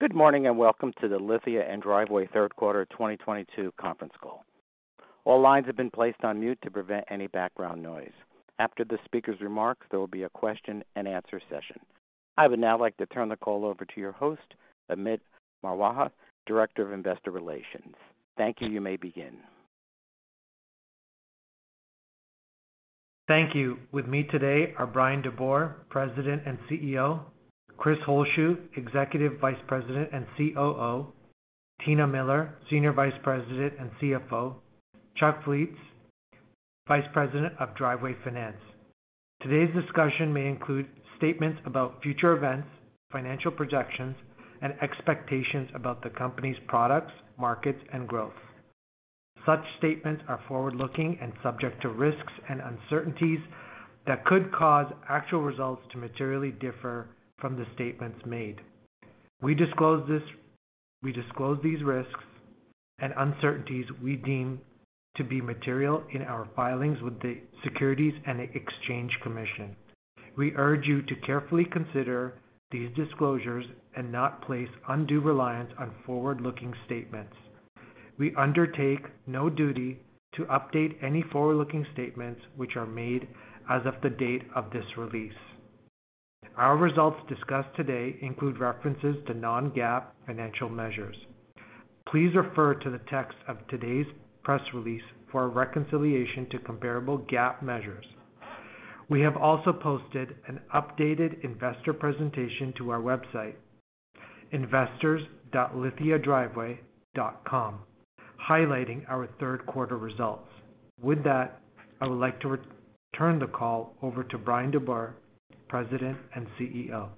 Good morning, and welcome to the Lithia & Driveway third quarter 2022 conference call. All lines have been placed on mute to prevent any background noise. After the speaker's remarks, there will be a question-and-answer session. I would now like to turn the call over to your host, Amit Marwaha, Director of Investor Relations. Thank you. You may begin. Thank you. With me today are Bryan DeBoer, President and CEO, Chris Holzshu, Executive Vice President and COO, Tina Miller, Senior Vice President and CFO, Chuck Lietz, Vice President of Driveway Finance. Today's discussion may include statements about future events, financial projections, and expectations about the company's products, markets, and growth. Such statements are forward-looking and subject to risks and uncertainties that could cause actual results to materially differ from the statements made. We disclose these risks and uncertainties we deem to be material in our filings with the Securities and Exchange Commission. We urge you to carefully consider these disclosures and not place undue reliance on forward-looking statements. We undertake no duty to update any forward-looking statements which are made as of the date of this release. Our results discussed today include references to non-GAAP financial measures. Please refer to the text of today's press release for a reconciliation to comparable GAAP measures. We have also posted an updated investor presentation to our website, investors.lithiadriveway.com, highlighting our third quarter results. With that, I would like to return the call over to Bryan DeBoer, President and CEO.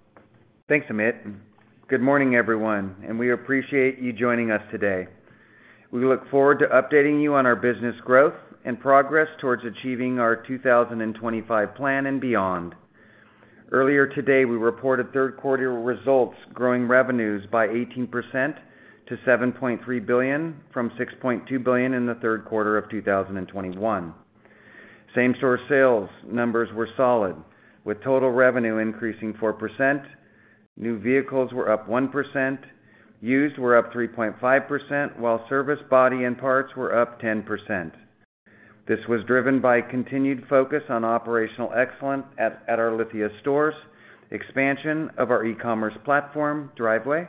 Thanks, Amit, and good morning, everyone, and we appreciate you joining us today. We look forward to updating you on our business growth and progress towards achieving our 2025 plan and beyond. Earlier today, we reported third quarter results growing revenues by 18% to $7.3 billion from $6.2 billion in the third quarter of 2021. Same-store sales numbers were solid, with total revenue increasing 4%, new vehicles were up 1%, used were up 3.5%, while service body and parts were up 10%. This was driven by continued focus on operational excellence at our Lithia stores, expansion of our e-commerce platform, Driveway,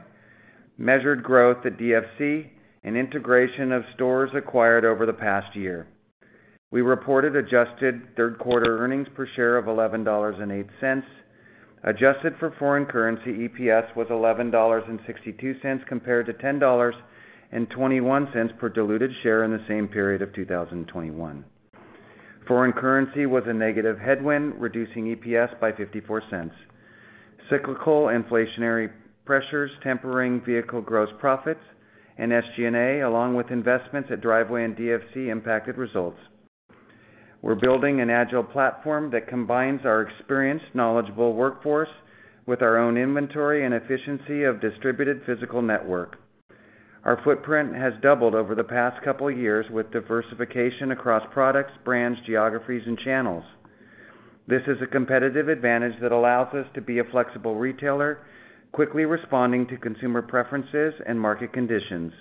measured growth at DFC, and integration of stores acquired over the past year. We reported adjusted third quarter earnings per share of $11.08. Adjusted for foreign currency, EPS was $11.62 compared to $10.21 per diluted share in the same period of 2021. Foreign currency was a negative headwind, reducing EPS by $0.54. Cyclical inflationary pressures tempering vehicle gross profits and SG&A, along with investments at Driveway and DFC impacted results. We're building an agile platform that combines our experienced, knowledgeable workforce with our own inventory and efficiency of distributed physical network. Our footprint has doubled over the past couple years with diversification across products, brands, geographies, and channels. This is a competitive advantage that allows us to be a flexible retailer, quickly responding to consumer preferences and market conditions.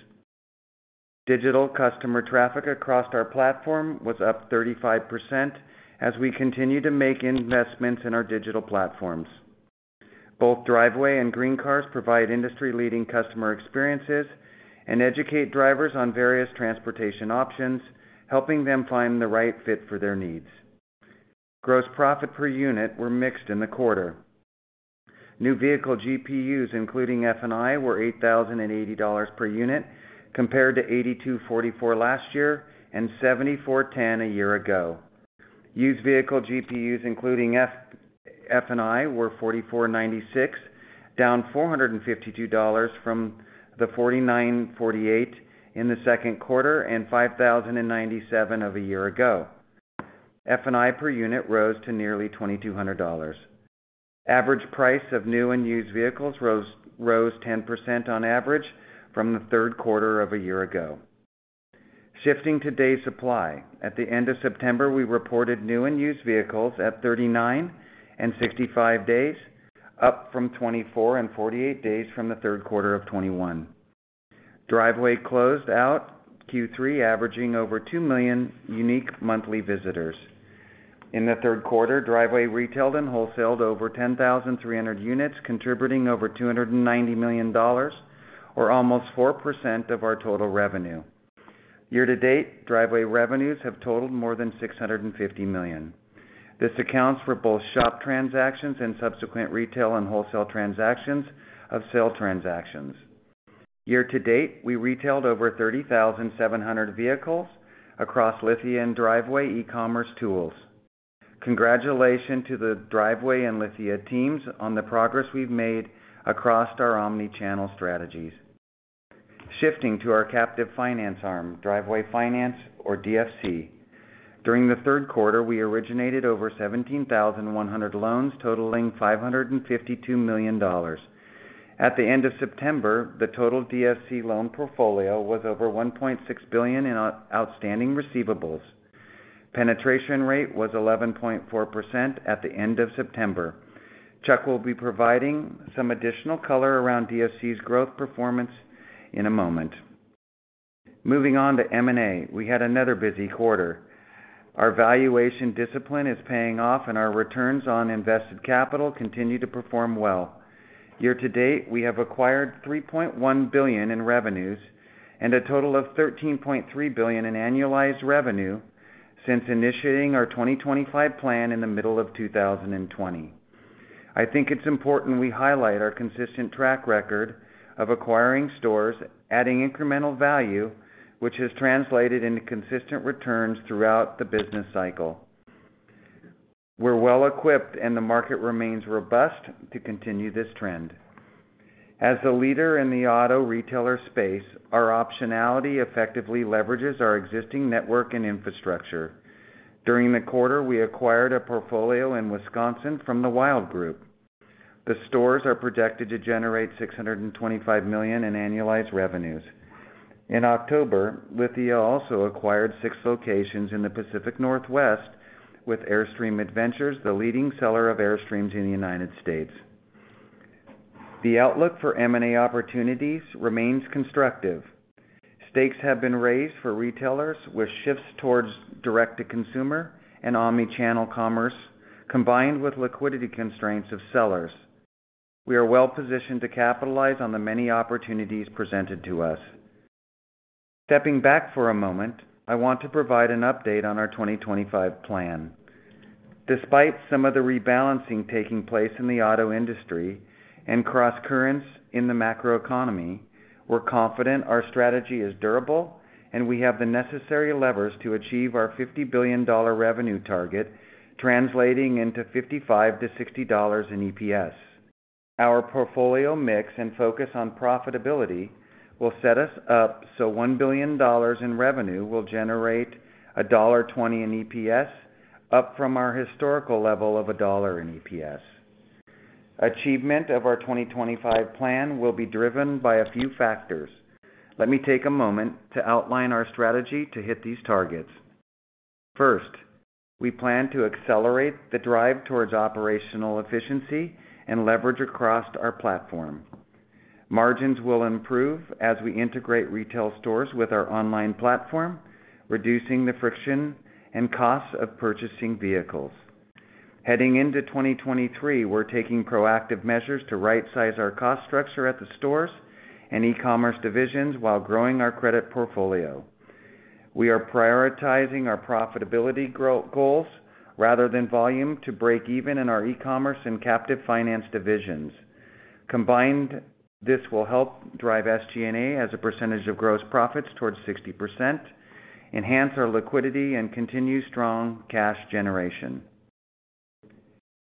Digital customer traffic across our platform was up 35% as we continue to make investments in our digital platforms. Both Driveway and GreenCars provide industry-leading customer experiences and educate drivers on various transportation options, helping them find the right fit for their needs. Gross profit per unit were mixed in the quarter. New vehicle GPUs including F&I were $8,080 per unit compared to $8,244 last year and $7,410 a year ago. Used vehicle GPUs including F&I were $4,496, down $452 from the $4,948 in the second quarter and $5,097 of a year ago. F&I per unit rose to nearly $2,200. Average price of new and used vehicles rose 10% on average from the third quarter of a year ago. Shifting to day supply. At the end of September, we reported new and used vehicles at 39 and 65 days, up from 24 and 48 days from the third quarter of 2021. Driveway closed out Q3 averaging over 2 million unique monthly visitors. In the third quarter, Driveway retailed and wholesaled over 10,300 units, contributing over $290 million or almost 4% of our total revenue. Year-to-date, Driveway revenues have totaled more than $650 million. This accounts for both shop transactions and subsequent retail and wholesale transactions of sale transactions. Year-to-date, we retailed over 30,700 vehicles across Lithia & Driveway e-commerce tools. Congratulations to the Driveway and Lithia teams on the progress we've made across our omni-channel strategies. Shifting to our captive finance arm, Driveway Finance or DFC. During the third quarter, we originated over 17,100 loans totaling $552 million. At the end of September, the total DFC loan portfolio was over $1.6 billion in outstanding receivables. Penetration rate was 11.4% at the end of September. Chuck will be providing some additional color around DFC's growth performance in a moment. Moving on to M&A, we had another busy quarter. Our valuation discipline is paying off and our returns on invested capital continue to perform well. Year-to-date, we have acquired $3.1 billion in revenues and a total of $13.3 billion in annualized revenue since initiating our 2025 plan in the middle of 2020. I think it's important we highlight our consistent track record of acquiring stores, adding incremental value, which has translated into consistent returns throughout the business cycle. We're well equipped and the market remains robust to continue this trend. As the leader in the auto retailer space, our optionality effectively leverages our existing network and infrastructure. During the quarter, we acquired a portfolio in Wisconsin from the Wilde Automotive Group. The stores are projected to generate $625 million in annualized revenues. In October, Lithia also acquired six locations in the Pacific Northwest with Airstream Adventures, the leading seller of Airstreams in the United States. The outlook for M&A opportunities remains constructive. Stakes have been raised for retailers with shifts towards direct-to-consumer and omni-channel commerce, combined with liquidity constraints of sellers. We are well-positioned to capitalize on the many opportunities presented to us. Stepping back for a moment, I want to provide an update on our 2025 plan. Despite some of the rebalancing taking place in the auto industry and crosscurrents in the macroeconomy, we're confident our strategy is durable, and we have the necessary levers to achieve our $50 billion revenue target, translating into $55-$60 in EPS. Our portfolio mix and focus on profitability will set us up so $1 billion in revenue will generate $1.20 in EPS, up from our historical level of $1 in EPS. Achievement of our 2025 plan will be driven by a few factors. Let me take a moment to outline our strategy to hit these targets. First, we plan to accelerate the drive towards operational efficiency and leverage across our platform. Margins will improve as we integrate retail stores with our online platform, reducing the friction and costs of purchasing vehicles. Heading into 2023, we're taking proactive measures to rightsize our cost structure at the stores and e-commerce divisions while growing our credit portfolio. We are prioritizing our profitability growth goals rather than volume to break even in our e-commerce and captive finance divisions. Combined, this will help drive SG&A as a percentage of gross profits towards 60%, enhance our liquidity, and continue strong cash generation.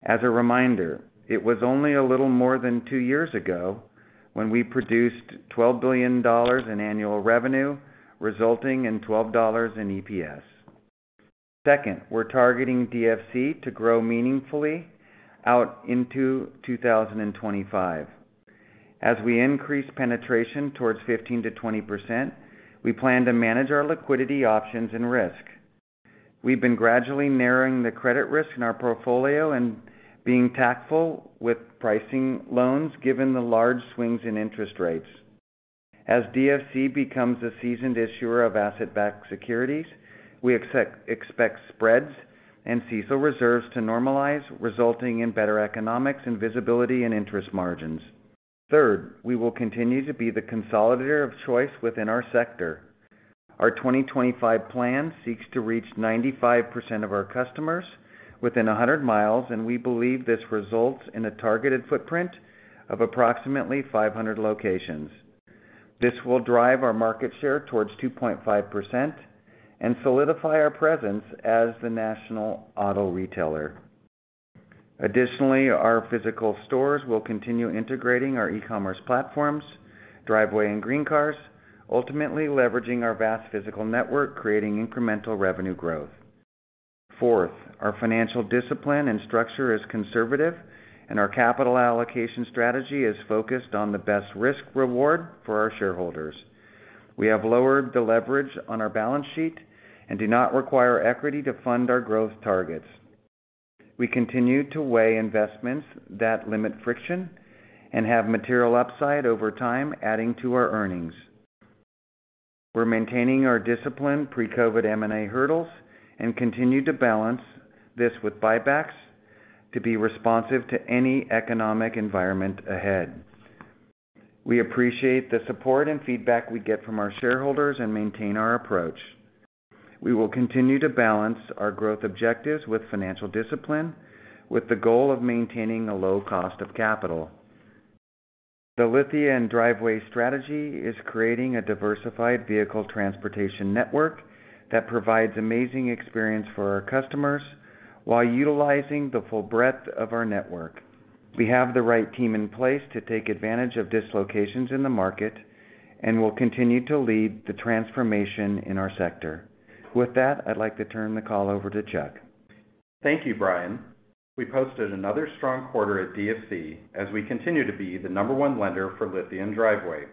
As a reminder, it was only a little more than two years ago when we produced $12 billion in annual revenue, resulting in $12 in EPS. Second, we're targeting DFC to grow meaningfully out into 2025. As we increase penetration towards 15%-20%, we plan to manage our liquidity options and risk. We've been gradually narrowing the credit risk in our portfolio and being tactful with pricing loans given the large swings in interest rates. As DFC becomes a seasoned issuer of asset-backed securities, we expect spreads and CECL reserves to normalize, resulting in better economics and visibility in interest margins. Third, we will continue to be the consolidator of choice within our sector. Our 2025 plan seeks to reach 95% of our customers within 100 miles, and we believe this results in a targeted footprint of approximately 500 locations. This will drive our market share towards 2.5% and solidify our presence as the national auto retailer. Additionally, our physical stores will continue integrating our e-commerce platforms, Driveway and GreenCars, ultimately leveraging our vast physical network, creating incremental revenue growth. Fourth, our financial discipline and structure is conservative, and our capital allocation strategy is focused on the best risk reward for our shareholders. We have lowered the leverage on our balance sheet and do not require equity to fund our growth targets. We continue to weigh investments that limit friction and have material upside over time, adding to our earnings. We're maintaining our disciplined pre-COVID M&A hurdles and continue to balance this with buybacks to be responsive to any economic environment ahead. We appreciate the support and feedback we get from our shareholders and maintain our approach. We will continue to balance our growth objectives with financial discipline, with the goal of maintaining a low cost of capital. The Lithia & Driveway strategy is creating a diversified vehicle transportation network that provides amazing experience for our customers while utilizing the full breadth of our network. We have the right team in place to take advantage of dislocations in the market and will continue to lead the transformation in our sector. With that, I'd like to turn the call over to Chuck. Thank you, Bryan. We posted another strong quarter at DFC as we continue to be the number one lender for Lithia & Driveway.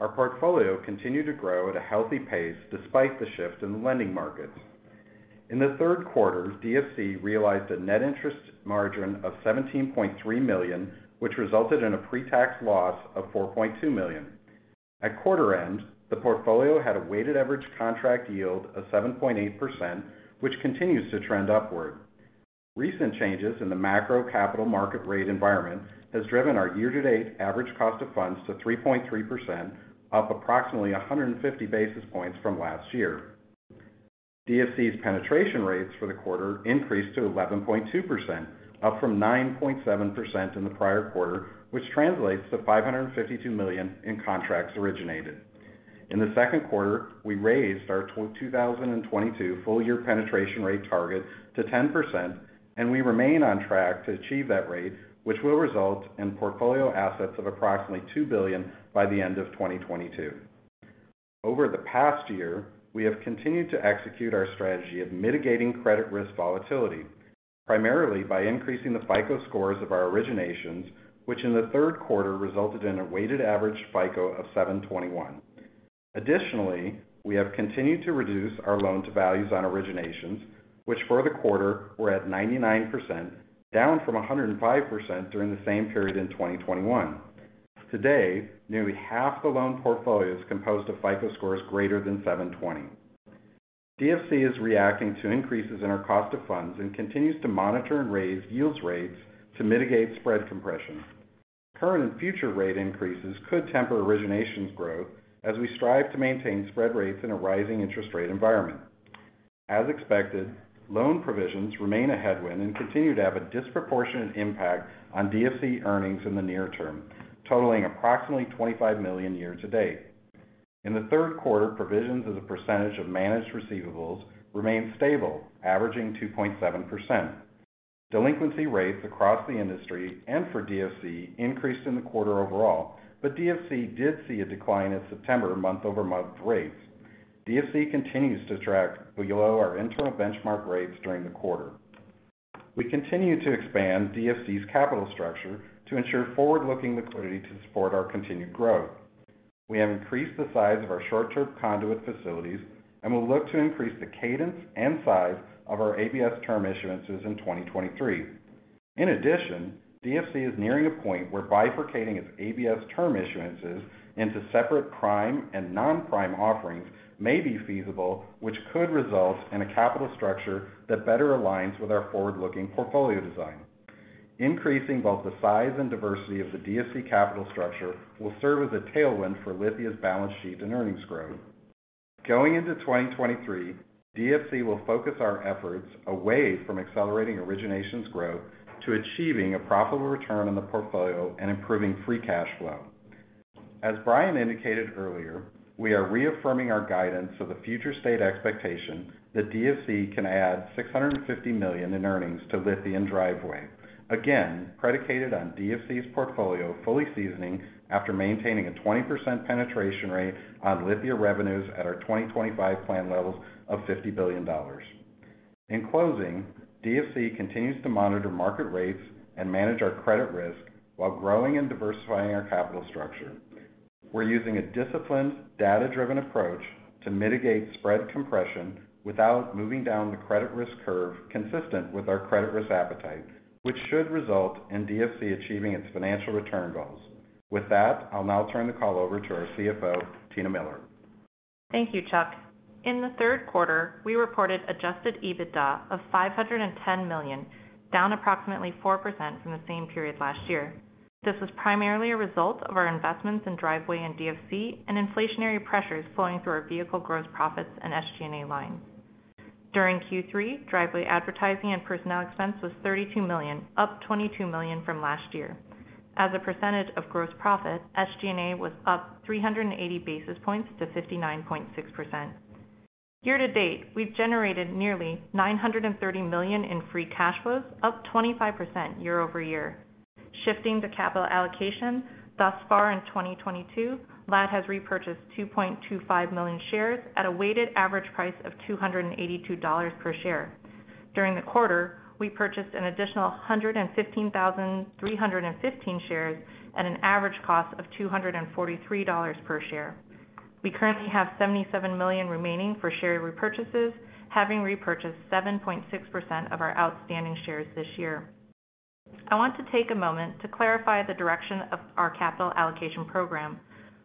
Our portfolio continued to grow at a healthy pace despite the shift in the lending markets. In the third quarter, DFC realized a net interest margin of $17.3 million, which resulted in a pre-tax loss of $4.2 million. At quarter end, the portfolio had a weighted average contract yield of 7.8%, which continues to trend upward. Recent changes in the macro capital market rate environment has driven our year-to-date average cost of funds to 3.3%, up approximately 150 basis points from last year. DFC's penetration rates for the quarter increased to 11.2%, up from 9.7% in the prior quarter, which translates to $552 million in contracts originated. In the second quarter, we raised our 2022 full-year penetration rate target to 10%, and we remain on track to achieve that rate, which will result in portfolio assets of approximately $2 billion by the end of 2022. Over the past year, we have continued to execute our strategy of mitigating credit risk volatility, primarily by increasing the FICO scores of our originations, which in the third quarter resulted in a weighted average FICO of 721. Additionally, we have continued to reduce our loan-to-value on originations, which for the quarter were at 99%, down from 105% during the same period in 2021. To date, nearly half the loan portfolio is composed of FICO scores greater than 720. DFC is reacting to increases in our cost of funds and continues to monitor and raise yield rates to mitigate spread compression. Current and future rate increases could temper originations growth as we strive to maintain spread rates in a rising interest rate environment. As expected, loan provisions remain a headwind and continue to have a disproportionate impact on DFC earnings in the near term, totaling approximately $25 million Year-to-date. In the third quarter, provisions as a percentage of managed receivables remained stable, averaging 2.7%. Delinquency rates across the industry and for DFC increased in the quarter overall, but DFC did see a decline in September month-over-month rates. DFC continues to track below our internal benchmark rates during the quarter. We continue to expand DFC's capital structure to ensure forward-looking liquidity to support our continued growth. We have increased the size of our short-term conduit facilities and will look to increase the cadence and size of our ABS term issuances in 2023. In addition, DFC is nearing a point where bifurcating its ABS term issuances into separate prime and non-prime offerings may be feasible, which could result in a capital structure that better aligns with our forward-looking portfolio design. Increasing both the size and diversity of the DFC capital structure will serve as a tailwind for Lithia's balance sheet and earnings growth. Going into 2023, DFC will focus our efforts away from accelerating originations growth to achieving a profitable return on the portfolio and improving free cash flow. As Bryan indicated earlier, we are reaffirming our guidance for the future state expectation that DFC can add $650 million in earnings to Lithia & Driveway. Again, predicated on DFC's portfolio fully seasoning after maintaining a 20% penetration rate on Lithia revenues at our 2025 plan levels of $50 billion. In closing, DFC continues to monitor market rates and manage our credit risk while growing and diversifying our capital structure. We're using a disciplined, data-driven approach to mitigate spread compression without moving down the credit risk curve consistent with our credit risk appetite, which should result in DFC achieving its financial return goals. With that, I'll now turn the call over to our CFO, Tina Miller. Thank you, Chuck. In the third quarter, we reported adjusted EBITDA of $510 million, down approximately 4% from the same period last year. This was primarily a result of our investments in Driveway and DFC and inflationary pressures flowing through our vehicle gross profits and SG&A lines. During Q3, Driveway advertising and personnel expense was $32 million, up $22 million from last year. As a percentage of gross profit, SG&A was up 380 basis points to 59.6%. Year-to-date, we've generated nearly $930 million in free cash flows, up 25% year-over-year. Shifting to capital allocation, thus far in 2022, LAD has repurchased 2.25 million shares at a weighted average price of $282 per share. During the quarter, we purchased an additional 115,315 shares at an average cost of $243 per share. We currently have $77 million remaining for share repurchases, having repurchased 7.6% of our outstanding shares this year. I want to take a moment to clarify the direction of our capital allocation program.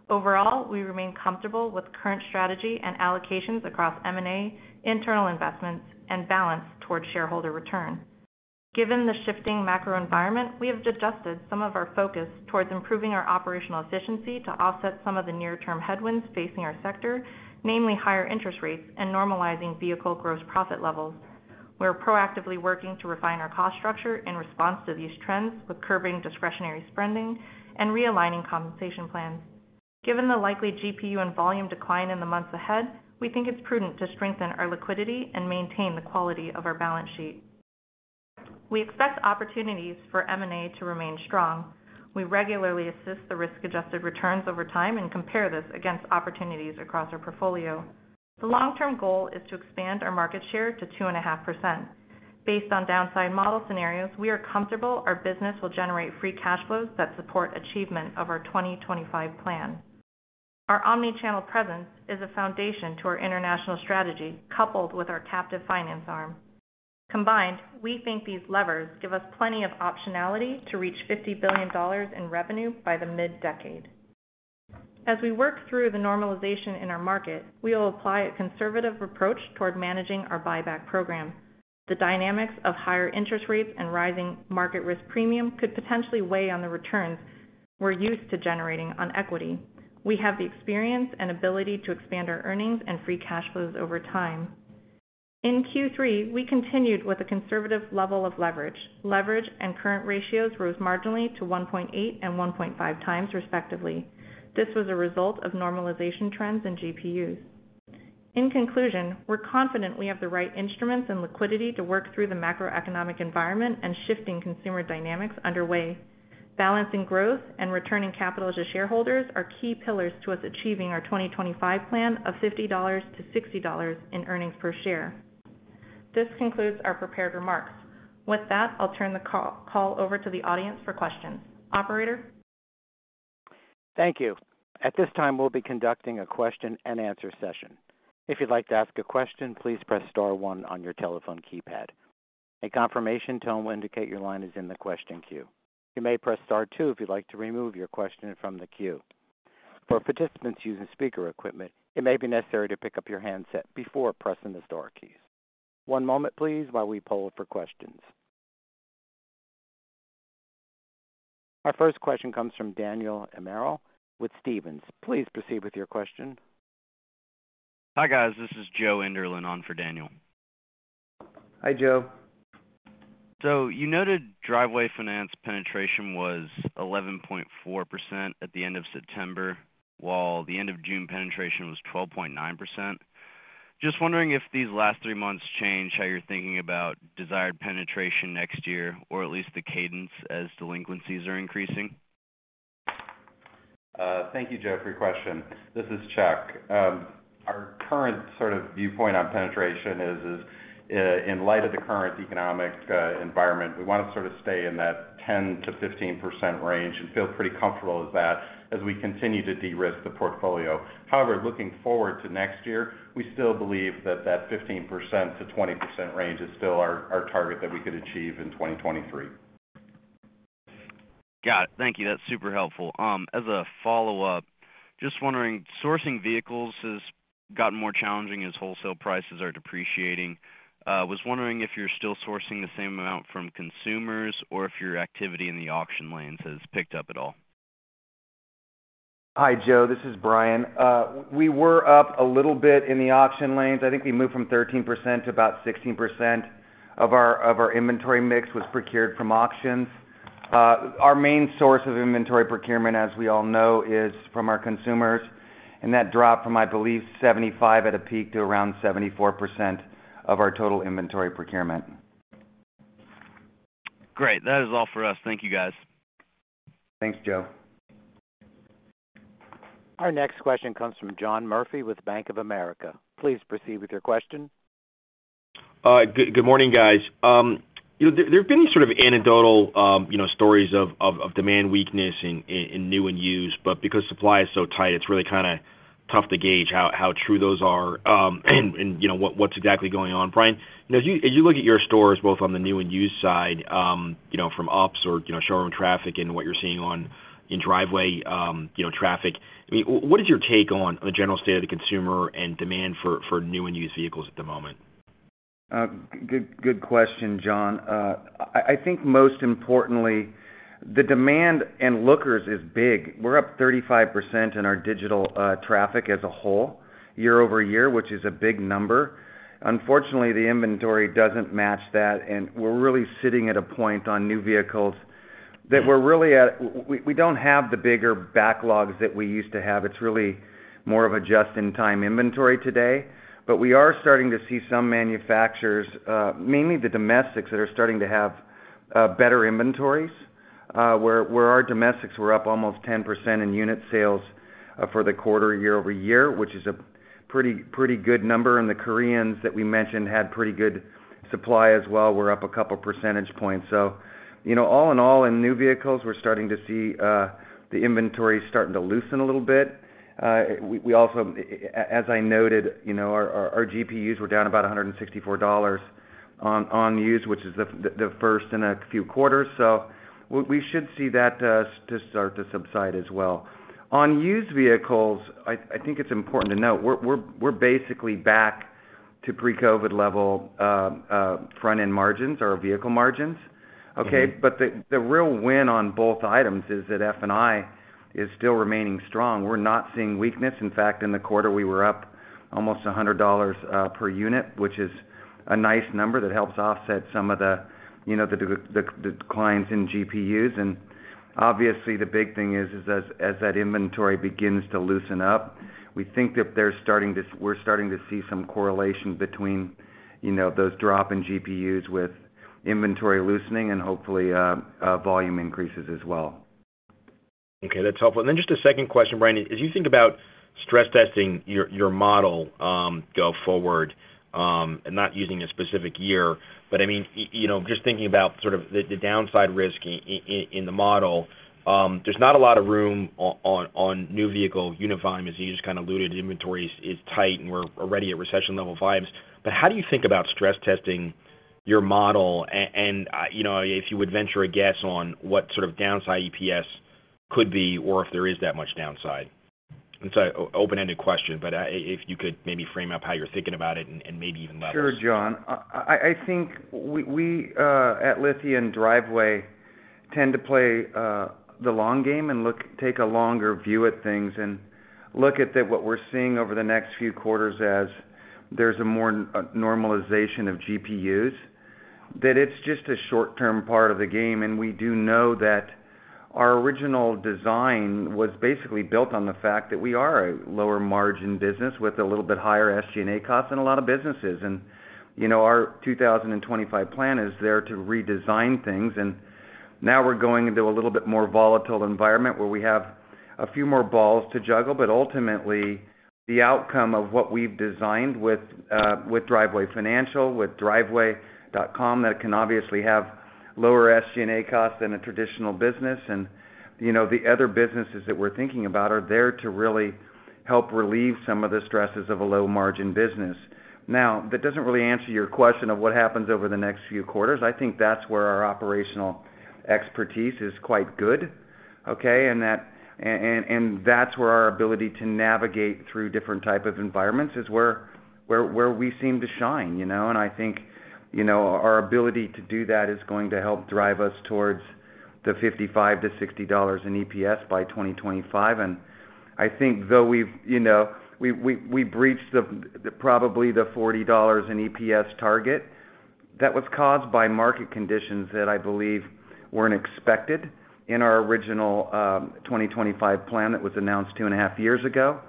Overall, we remain comfortable with current strategy and allocations across M&A, internal investments, and balance towards shareholder return. Given the shifting macro environment, we have adjusted some of our focus towards improving our operational efficiency to offset some of the near-term headwinds facing our sector, namely higher interest rates and normalizing vehicle gross profit levels. We're proactively working to refine our cost structure in response to these trends with curbing discretionary spending and realigning compensation plans. Given the likely GPU and volume decline in the months ahead, we think it's prudent to strengthen our liquidity and maintain the quality of our balance sheet. We expect opportunities for M&A to remain strong. We regularly assess the risk-adjusted returns over time and compare this against opportunities across our portfolio. The long-term goal is to expand our market share to 2.5%. Based on downside model scenarios, we are comfortable our business will generate free cash flows that support achievement of our 2025 plan. Our omni-channel presence is a foundation to our international strategy, coupled with our captive finance arm. Combined, we think these levers give us plenty of optionality to reach $50 billion in revenue by the mid-decade. As we work through the normalization in our market, we will apply a conservative approach toward managing our buyback program. The dynamics of higher interest rates and rising market risk premium could potentially weigh on the returns we're used to generating on equity. We have the experience and ability to expand our earnings and free cash flows over time. In Q3, we continued with a conservative level of leverage. Leverage and current ratios rose marginally to 1.8x and 1.5x respectively. This was a result of normalization trends in GPUs. In conclusion, we're confident we have the right instruments and liquidity to work through the macroeconomic environment and shifting consumer dynamics underway. Balancing growth and returning capital to shareholders are key pillars towards achieving our 2025 plan of $50-$60 in earnings per share. This concludes our prepared remarks. With that, I'll turn the call over to the audience for questions. Operator? Thank you. At this time, we'll be conducting a question-and-answer session. If you'd like to ask a question, please press star one on your telephone keypad. A confirmation tone will indicate your line is in the question queue. You may press star two if you'd like to remove your question from the queue. For participants using speaker equipment, it may be necessary to pick up your handset before pressing the star keys. One moment, please, while we poll for questions. Our first question comes from Daniel Imbro with Stephens. Please proceed with your question. Hi, guys. This is Joe Enderlin on for Daniel. Hi, Joe. You noted Driveway Finance penetration was 11.4% at the end of September, while the end of June penetration was 12.9%. Just wondering if these last 3 months change how you're thinking about desired penetration next year, or at least the cadence as delinquencies are increasing. Thank you, Joe, for your question. This is Chuck. Our current sort of viewpoint on penetration is, in light of the current economic environment, we want to sort of stay in that 10%-15% range and feel pretty comfortable with that as we continue to de-risk the portfolio. However, looking forward to next year, we still believe that 15%-20% range is still our target that we could achieve in 2023. Got it. Thank you. That's super helpful. As a follow-up, just wondering, sourcing vehicles has gotten more challenging as wholesale prices are depreciating. Was wondering if you're still sourcing the same amount from consumers or if your activity in the auction lanes has picked up at all. Hi, Joe. This is Bryan. We were up a little bit in the auction lanes. I think we moved from 13% to about 16% of our inventory mix was procured from auctions. Our main source of inventory procurement, as we all know, is from our consumers, and that dropped from, I believe, 75% at a peak to around 74% of our total inventory procurement. Great. That is all for us. Thank you, guys. Thanks, Joe. Our next question comes from John Murphy with Bank of America. Please proceed with your question. Good morning, guys. You know, there have been sort of anecdotal stories of demand weakness in new and used, but because supply is so tight, it's really kinda tough to gauge how true those are, and you know, what's exactly going on. Bryan, as you look at your stores both on the new and used side, you know, from ups, showroom traffic and what you're seeing online in Driveway traffic, I mean, what is your take on the general state of the consumer and demand for new and used vehicles at the moment? Good question, John. I think most importantly, the demand in lookers is big. We're up 35% in our digital traffic as a whole year-over-year, which is a big number. Unfortunately, the inventory doesn't match that, and we're really sitting at a point on new vehicles that we're really at. We don't have the bigger backlogs that we used to have. It's really more of a just-in-time inventory today. We are starting to see some manufacturers, mainly the domestics, that are starting to have better inventories, where our domestics were up almost 10% in unit sales for the quarter year-over-year, which is a pretty good number. The Koreans that we mentioned had pretty good supply as well. We're up a couple percentage points. You know, all in all, in new vehicles, we're starting to see the inventory starting to loosen a little bit. We also, as I noted, you know, our GPUs were down about $164 on used, which is the first in a few quarters. We should see that start to subside as well. On used vehicles, I think it's important to note we're basically back to pre-COVID level front-end margins or vehicle margins. Okay. The real win on both items is that F&I is still remaining strong. We're not seeing weakness. In fact, in the quarter, we were up almost $100 per unit, which is a nice number that helps offset some of the, you know, the declines in GPUs. Obviously, the big thing is as that inventory begins to loosen up, we're starting to see some correlation between, you know, those drops in GPUs with inventory loosening and hopefully volume increases as well. Okay, that's helpful. Just a second question, Bryan. As you think about stress testing your model go forward, and not using a specific year, but I mean, you know, just thinking about sort of the downside risk in the model, there's not a lot of room on new vehicle unit volume, as you just kind of alluded. Inventories is tight, and we're already at recession level volumes. How do you think about stress testing your model? You know, if you would venture a guess on what sort of downside EPS could be or if there is that much downside. It's an open-ended question, but if you could maybe frame up how you're thinking about it and maybe even levels. Sure, John. I think we at Lithia & Driveway tend to play the long game and take a longer view at things and look at what we're seeing over the next few quarters as there's more normalization of GPUs. That it's just a short-term part of the game, and we do know that our original design was basically built on the fact that we are a lower margin business with a little bit higher SG&A costs than a lot of businesses. You know, our 2025 plan is there to redesign things. Now we're going into a little bit more volatile environment where we have a few more balls to juggle. Ultimately, the outcome of what we've designed with Driveway Finance, with Driveway.com, that can obviously have lower SG&A costs than a traditional business. You know, the other businesses that we're thinking about are there to really help relieve some of the stresses of a low margin business. Now, that doesn't really answer your question of what happens over the next few quarters. I think that's where our operational expertise is quite good, okay? That's where our ability to navigate through different type of environments is where we seem to shine, you know? I think, you know, our ability to do that is going to help drive us towards $55-$60 in EPS by 2025. I think though we've, you know, we breached the, probably the $40 in EPS target, that was caused by market conditions that I believe weren't expected in our original, 2025 plan that was announced two and a half years ago,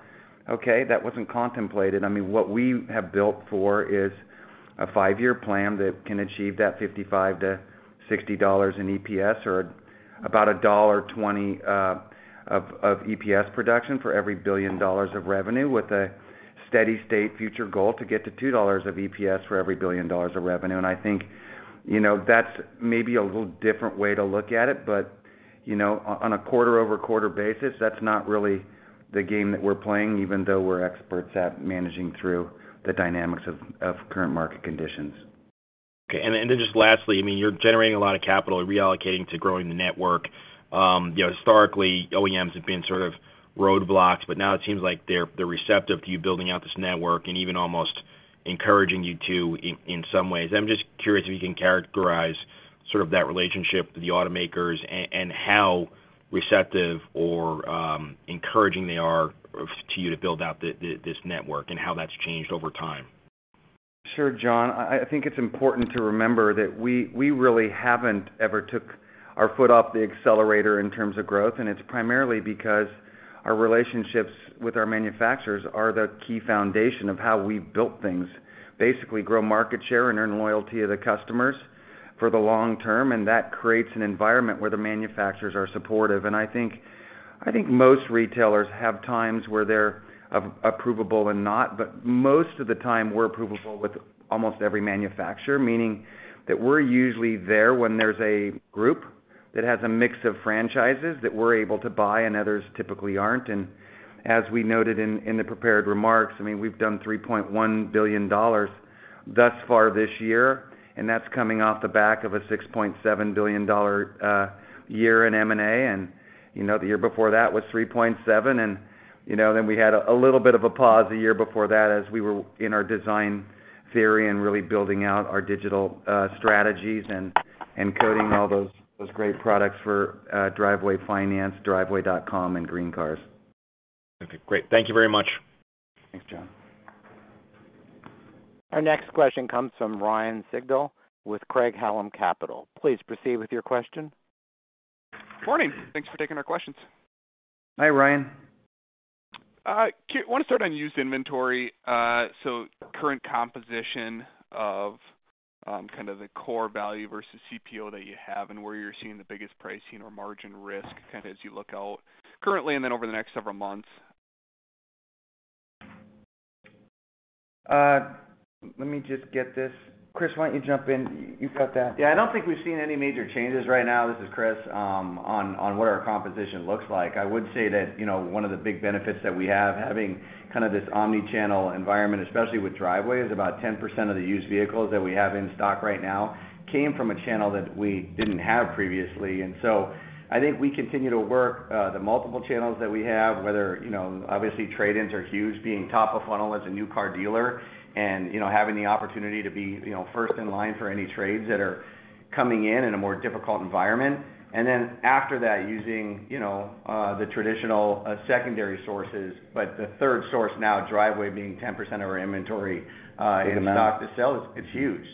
okay? That wasn't contemplated. I mean, what we have built for is a five-year plan that can achieve that $55-$60 in EPS or about a $1.20, of EPS production for every $1 billion of revenue, with a steady-state future goal to get to $2 of EPS for every $1 billion of revenue. I think, you know, that's maybe a little different way to look at it. You know, on a quarter-over-quarter basis, that's not really the game that we're playing, even though we're experts at managing through the dynamics of current market conditions. Okay. Then just lastly, I mean, you're generating a lot of capital and reallocating to growing the network. You know, historically, OEMs have been sort of roadblocks, but now it seems like they're receptive to you building out this network and even almost encouraging you to in some ways. I'm just curious if you can characterize sort of that relationship with the automakers and how receptive or encouraging they are to you to build out this network and how that's changed over time. Sure, John. I think it's important to remember that we really haven't ever took our foot off the accelerator in terms of growth, and it's primarily because our relationships with our manufacturers are the key foundation of how we've built things, basically grow market share and earn loyalty of the customers for the long term, and that creates an environment where the manufacturers are supportive. I think most retailers have times where they're approvable and not. Most of the time, we're approvable with almost every manufacturer, meaning that we're usually there when there's a group that has a mix of franchises that we're able to buy and others typically aren't. As we noted in the prepared remarks, I mean, we've done $3.1 billion thus far this year, and that's coming off the back of a $6.7 billion year in M&A. You know, the year before that was $3.7 billion. You know, then we had a little bit of a pause the year before that as we were in our design theory and really building out our digital strategies and coding all those great products for Driveway Finance, driveway.com, and GreenCars. Okay, great. Thank you very much. Thanks, John. Our next question comes from Ryan Sigdahl with Craig-Hallum Capital Group. Please proceed with your question. Good morning. Thanks for taking our questions. Hi, Ryan. Wanna start on used inventory. Current composition of kind of the core value versus CPO that you have and where you're seeing the biggest pricing or margin risk, kind of as you look out currently and then over the next several months? Let me just get this. Chris, why don't you jump in? You've got that. Yeah. I don't think we've seen any major changes right now. This is Chris on what our composition looks like. I would say that, you know, one of the big benefits that we have having kind of this omni-channel environment, especially with Driveway, is about 10% of the used vehicles that we have in stock right now came from a channel that we didn't have previously. I think we continue to work the multiple channels that we have, whether, you know, obviously trade-ins are huge being top of funnel as a new car dealer and, you know, having the opportunity to be, you know, first in line for any trades that are coming in in a more difficult environment. After that, using, you know, the traditional secondary sources. The third source now, Driveway being 10% of our inventory in stock to sell, it's huge.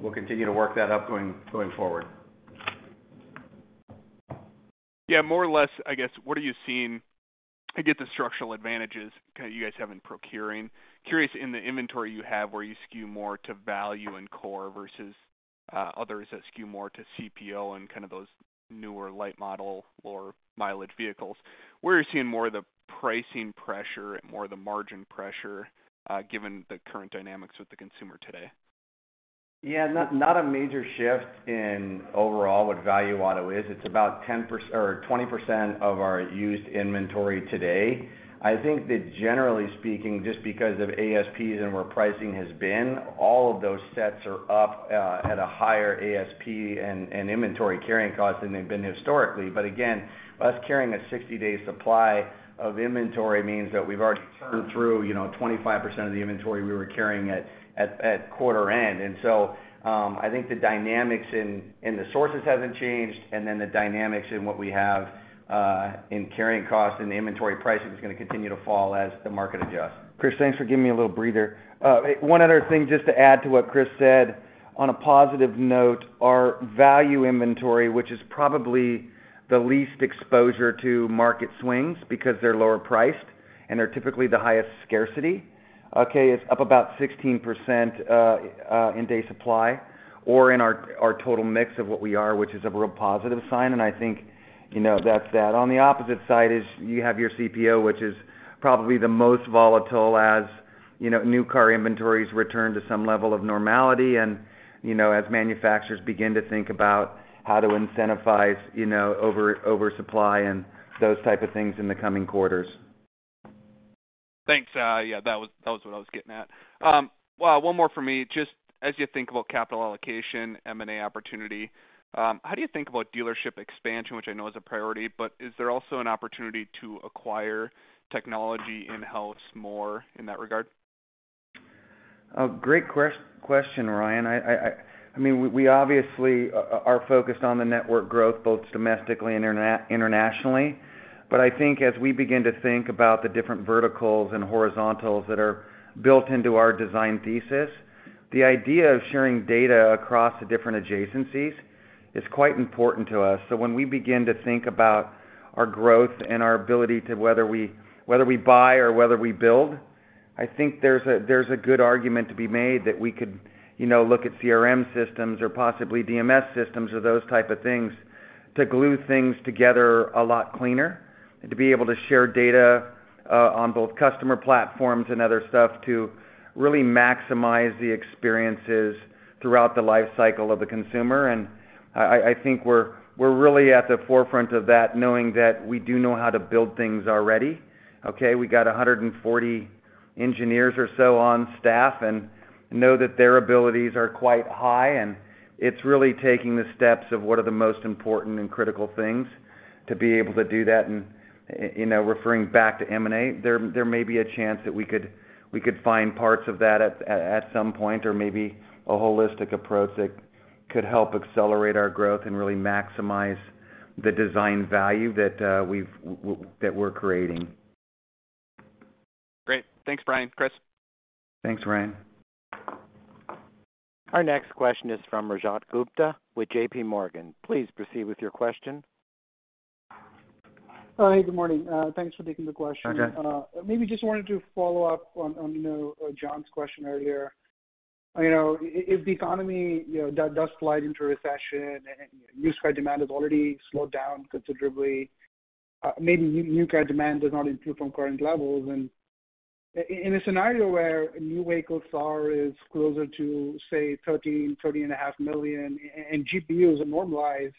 We'll continue to work that up going forward. More or less, I guess, what are you seeing? I get the structural advantages you guys have in procuring. Curious, in the inventory you have where you skew more to value and core versus others that skew more to CPO and kind of those newer low-mileage vehicles. Where are you seeing more of the pricing pressure and more of the margin pressure, given the current dynamics with the consumer today? Yeah. Not a major shift in overall what value auto is. It's about 10% or 20% of our used inventory today. I think that generally speaking, just because of ASPs and where pricing has been, all of those sets are up at a higher ASP and inventory carrying cost than they've been historically. But again, us carrying a 60-day supply of inventory means that we've already turned through 25% of the inventory we were carrying at quarter end. I think the dynamics and the sources hasn't changed, and then the dynamics in what we have in carrying costs and the inventory pricing is gonna continue to fall as the market adjusts. Chris, thanks for giving me a little breather. One other thing just to add to what Chris said. On a positive note, our value inventory, which is probably the least exposure to market swings because they're lower priced and they're typically the highest scarcity, okay. It's up about 16% in day supply or in our total mix of what we are, which is a real positive sign, and I think, you know, that's that. On the opposite side is you have your CPO, which is probably the most volatile as, you know, new car inventories return to some level of normality and, you know, as manufacturers begin to think about how to incentivize, you know, over, oversupply and those type of things in the coming quarters. Thanks. Yeah, that was what I was getting at. Well, one more for me. Just as you think about capital allocation, M&A opportunity, how do you think about dealership expansion, which I know is a priority, but is there also an opportunity to acquire technology in-house more in that regard? Oh, great question, Ryan. I mean, we obviously are focused on the network growth, both domestically and internationally, but I think as we begin to think about the different verticals and horizontals that are built into our design thesis, the idea of sharing data across the different adjacencies is quite important to us. When we begin to think about our growth and our ability to whether we buy or whether we build, I think there's a good argument to be made that we could, you know, look at CRM systems or possibly DMS systems or those type of things to glue things together a lot cleaner and to be able to share data on both customer platforms and other stuff to really maximize the experiences throughout the life cycle of the consumer. I think we're really at the forefront of that, knowing that we do know how to build things already, okay? We got 140 engineers or so on staff, and know that their abilities are quite high, and it's really taking the steps of what are the most important and critical things to be able to do that. You know, referring back to M&A, there may be a chance that we could find parts of that at some point or maybe a holistic approach that could help accelerate our growth and really maximize the design value that we're creating. Great. Thanks, Bryan. Chris. Thanks, Ryan. Our next question is from Rajat Gupta with JPMorgan. Please proceed with your question. Oh, hey, good morning. Thanks for taking the question. Okay. Maybe just wanted to follow up on, you know, John's question earlier. You know, if the economy, you know, does slide into recession and used car demand has already slowed down considerably, maybe new car demand does not improve from current levels. In a scenario where new vehicle SAAR is closer to, say, 13 million-13.5 million and GPUs are normalized,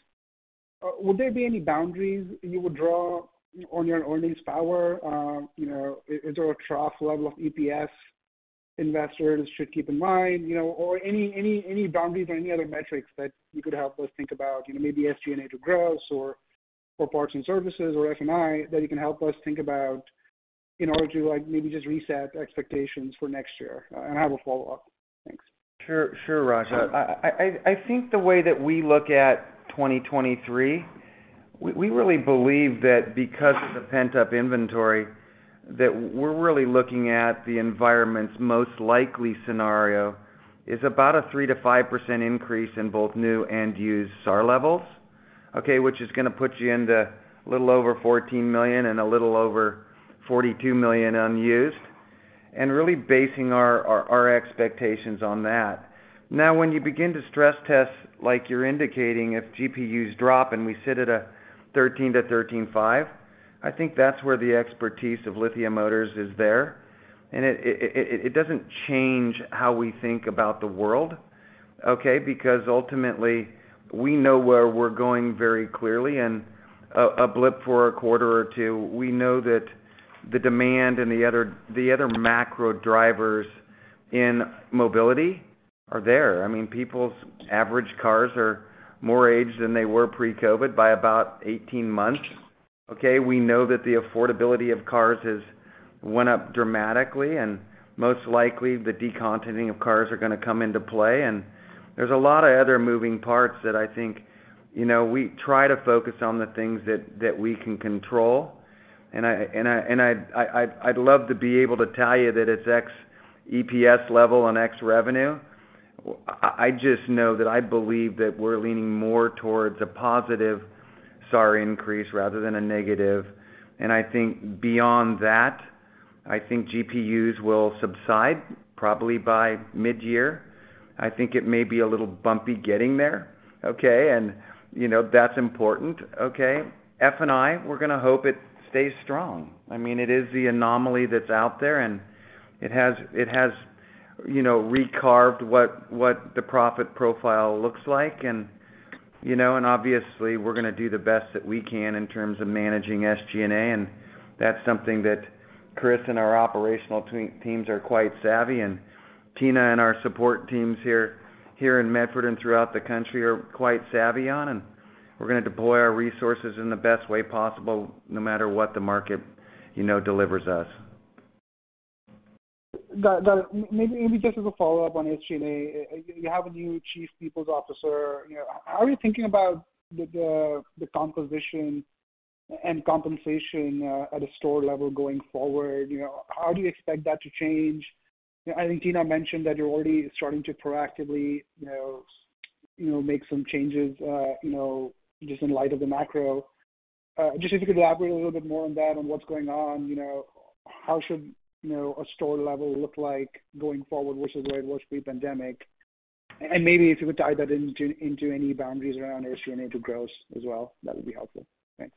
would there be any boundaries you would draw on your earnings power? You know, is there a trough level of EPS investors should keep in mind, you know? Or any boundaries or any other metrics that you could help us think about, you know, maybe SG&A to gross or parts and services or F&I that you can help us think about in order to, like, maybe just reset expectations for next year. I have a follow-up. Thanks. Sure, Rajat. I think the way that we look at 2023, we really believe that because of the pent-up inventory, that we're really looking at the environment's most likely scenario is about a 3%-5% increase in both new and used SAR levels, okay, which is gonna put you into a little over 14 million and a little over 42 million on used, and really basing our expectations on that. Now, when you begin to stress test, like you're indicating, if GPUs drop and we sit at a 13-13.5, I think that's where the expertise of Lithia Motors is there. It doesn't change how we think about the world, okay? Because ultimately, we know where we're going very clearly, and a blip for a quarter or two, we know that the demand and the other macro drivers in mobility are there. I mean, people's average cars are more aged than they were pre-COVID by about 18 months, okay? We know that the affordability of cars has went up dramatically, and most likely, the decontenting of cars are gonna come into play. There's a lot of other moving parts that I think, you know, we try to focus on the things that we can control. I'd love to be able to tell you that it's X EPS level and X revenue. Well, I just know that I believe that we're leaning more towards a positive SAR increase rather than a negative. I think beyond that, I think GPUs will subside probably by midyear. I think it may be a little bumpy getting there, okay? You know, that's important, okay? F&I, we're gonna hope it stays strong. I mean, it is the anomaly that's out there, and it has, you know, recarved what the profit profile looks like. You know, and obviously, we're gonna do the best that we can in terms of managing SG&A, and that's something that Chris and our operational teams are quite savvy, and Tina and our support teams here in Medford and throughout the country are quite savvy on. We're gonna deploy our resources in the best way possible, no matter what the market, you know, delivers us. Got it. Maybe just as a follow-up on SG&A. You have a new Chief People Officer. You know, how are you thinking about the composition and compensation at a store level going forward? You know, how do you expect that to change? I think Tina mentioned that you're already starting to proactively make some changes just in light of the macro. Just if you could elaborate a little bit more on that, on what's going on. You know, how should a store level look like going forward versus where it was pre-pandemic? Maybe if you could tie that into any boundaries around SG&A to gross as well, that would be helpful. Thanks.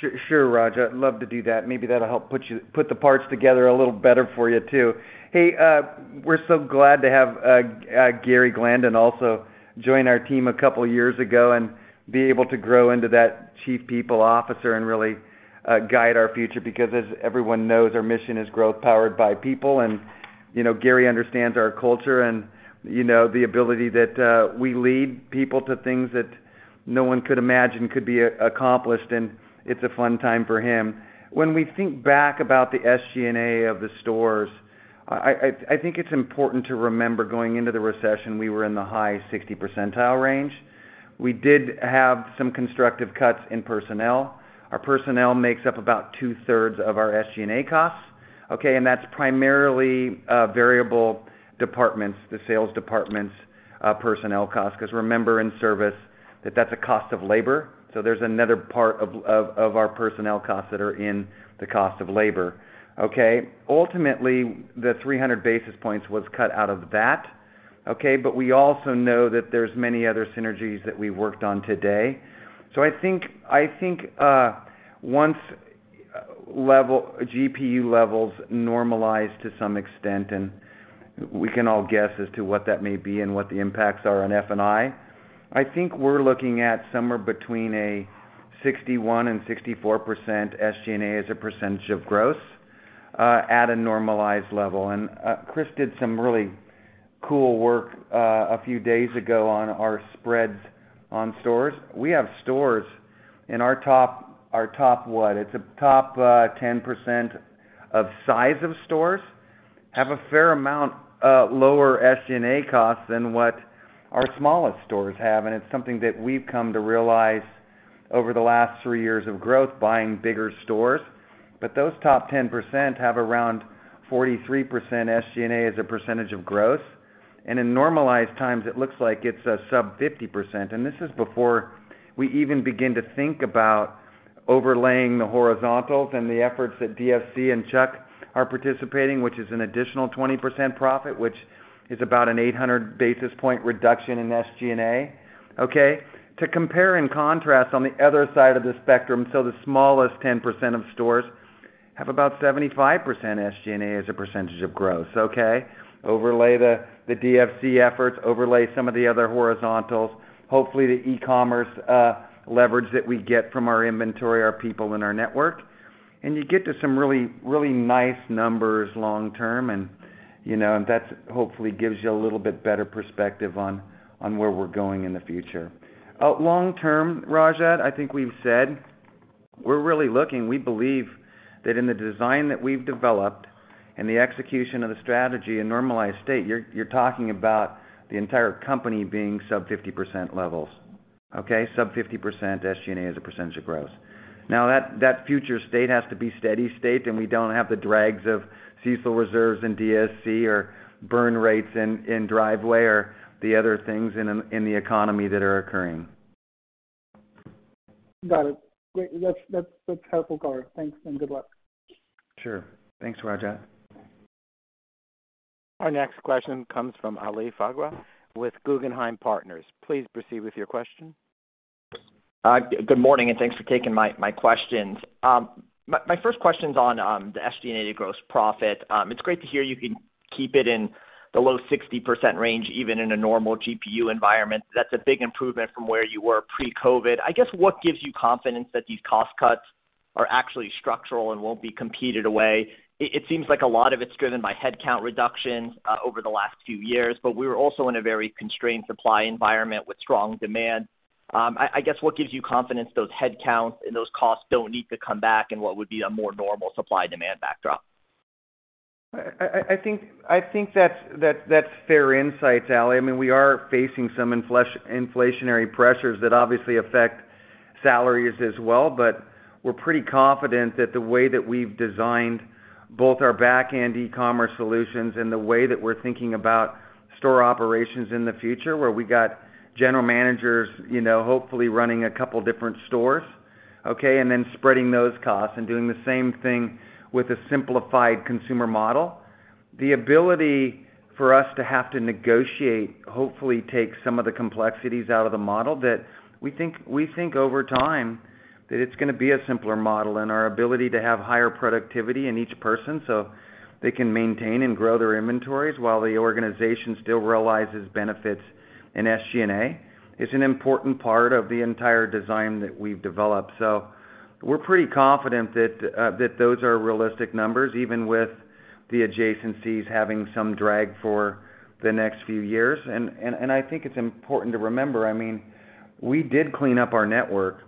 Sure. Sure, Rajat. I'd love to do that. Maybe that'll help put the parts together a little better for you too. Hey, we're so glad to have Gary Glandon also join our team a couple years ago and be able to grow into that Chief People Officer and really guide our future. Because as everyone knows, our mission is growth powered by people. You know, Gary understands our culture and, you know, the ability that we lead people to things that no one could imagine could be accomplished, and it's a fun time for him. When we think back about the SG&A of the stores, I think it's important to remember going into the recession, we were in the high 60 percentile range. We did have some constructive cuts in personnel. Our personnel makes up about two-thirds of our SG&A costs, okay? That's primarily variable departments, the sales departments' personnel costs. Because remember in service that that's a cost of labor, so there's another part of our personnel costs that are in the cost of labor, okay? Ultimately, the 300 basis points was cut out of that, okay? We also know that there's many other synergies that we worked on today. I think once GPU levels normalize to some extent, and we can all guess as to what that may be and what the impacts are on F&I think we're looking at somewhere between 61%-64% SG&A as a percentage of gross at a normalized level. Chris did some really cool work a few days ago on our spreads on stores. We have stores in our top 10% of size of stores have a fair amount of lower SG&A costs than what our smallest stores have. It's something that we've come to realize over the last three years of growth buying bigger stores. Those top 10% have around 43% SG&A as a percentage of gross. In normalized times, it looks like it's a sub 50%. This is before we even begin to think about overlaying the horizontals and the efforts that DFC and Chuck are participating, which is an additional 20% profit, which is about an 800 basis point reduction in SG&A, okay? To compare and contrast on the other side of the spectrum, the smallest 10% of stores have about 75% SG&A as a percentage of gross, okay? Overlay the DFC efforts, overlay some of the other horizontals. Hopefully, the e-commerce leverage that we get from our inventory, our people, and our network, and you get to some really nice numbers long term and, you know, and that hopefully gives you a little bit better perspective on where we're going in the future. Long term, Raj, I think we've said we're really looking. We believe that in the design that we've developed and the execution of the strategy in normalized state, you're talking about the entire company being sub 50% levels, okay? Sub 50% SG&A as a percentage of gross. Now that future state has to be steady state, and we don't have the drags of CECL reserves and DFC or burn rates in Driveway or the other things in the economy that are occurring. Got it. Great. That's helpful, Bryan. Thanks and good luck. Sure. Thanks, Rajat. Our next question comes from Ali Faghri with Guggenheim Partners. Please proceed with your question. Good morning, and thanks for taking my questions. My first question's on the SG&A gross profit. It's great to hear you can keep it in the low 60% range, even in a normal GPU environment. That's a big improvement from where you were pre-COVID. I guess what gives you confidence that these cost cuts are actually structural and won't be competed away? It seems like a lot of it's driven by headcount reductions over the last few years, but we were also in a very constrained supply environment with strong demand. I guess what gives you confidence those headcounts and those costs don't need to come back in what would be a more normal supply-demand backdrop? I think that's fair insight, Ali. I mean, we are facing some inflationary pressures that obviously affects salaries as well. We're pretty confident that the way that we've designed both our back-end e-commerce solutions and the way that we're thinking about store operations in the future, where we got general managers, you know, hopefully running a couple different stores, okay? Then spreading those costs and doing the same thing with a simplified consumer model. The ability for us to have to negotiate, hopefully takes some of the complexities out of the model that we think over time that it's gonna be a simpler model and our ability to have higher productivity in each person, so they can maintain and grow their inventories while the organization still realizes benefits in SG&A is an important part of the entire design that we've developed. We're pretty confident that those are realistic numbers, even with the adjacencies having some drag for the next few years. I think it's important to remember, I mean, we did clean up our network,